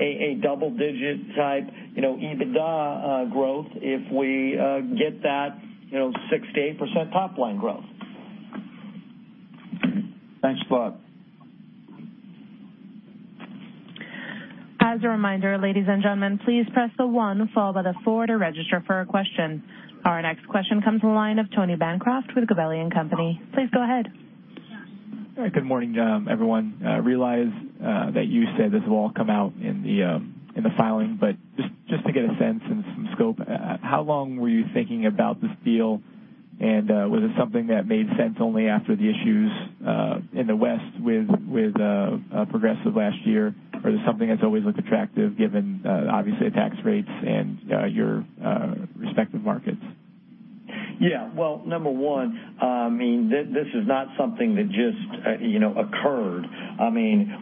a double-digit type EBITDA growth if we get that 6%-8% top-line growth. Thanks a lot. As a reminder, ladies and gentlemen, please press the one followed by the four to register for a question. Our next question comes from the line of Tony Bancroft with Gabelli & Company. Please go ahead. Good morning, everyone. I realize that you said this will all come out in the filing, but just to get a sense and some scope, how long were you thinking about this deal, and was it something that made sense only after the issues in the West with Progressive last year? Or is it something that's always looked attractive given obviously the tax rates and your respective markets? Well, number 1, this is not something that just occurred.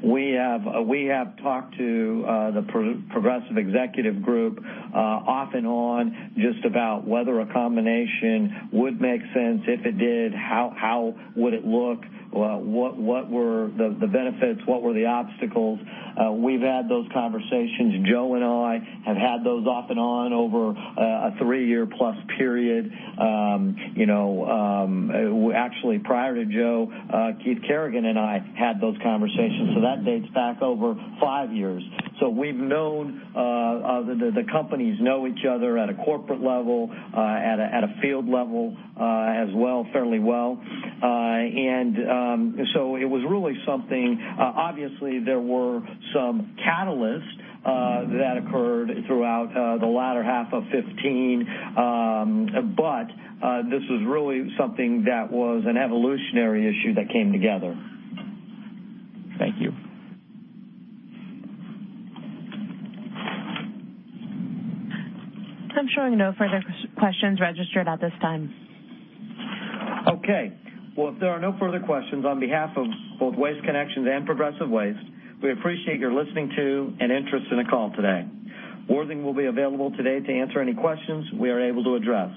We have talked to the Progressive executive group off and on just about whether a combination would make sense. If it did, how would it look? What were the benefits? What were the obstacles? We've had those conversations. Joe and I have had those off and on over a three-year-plus period. Prior to Joe, Keith Carrigan and I had those conversations, so that dates back over five years. We've known, the companies know each other at a corporate level, at a field level, as well, fairly well. It was really something Obviously, there were some catalysts that occurred throughout the latter half of 2015. This was really something that was an evolutionary issue that came together. Thank you. I'm showing no further questions registered at this time. Okay. Well, if there are no further questions, on behalf of both Waste Connections and Progressive Waste, we appreciate your listening to and interest in the call today. Worthing will be available today to answer any questions we are able to address.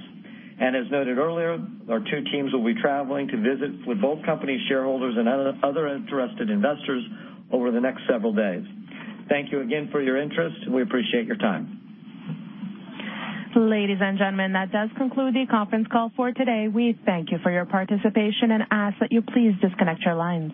As noted earlier, our two teams will be traveling to visit with both company shareholders and other interested investors over the next several days. Thank you again for your interest. We appreciate your time. Ladies and gentlemen, that does conclude the conference call for today. We thank you for your participation and ask that you please disconnect your lines.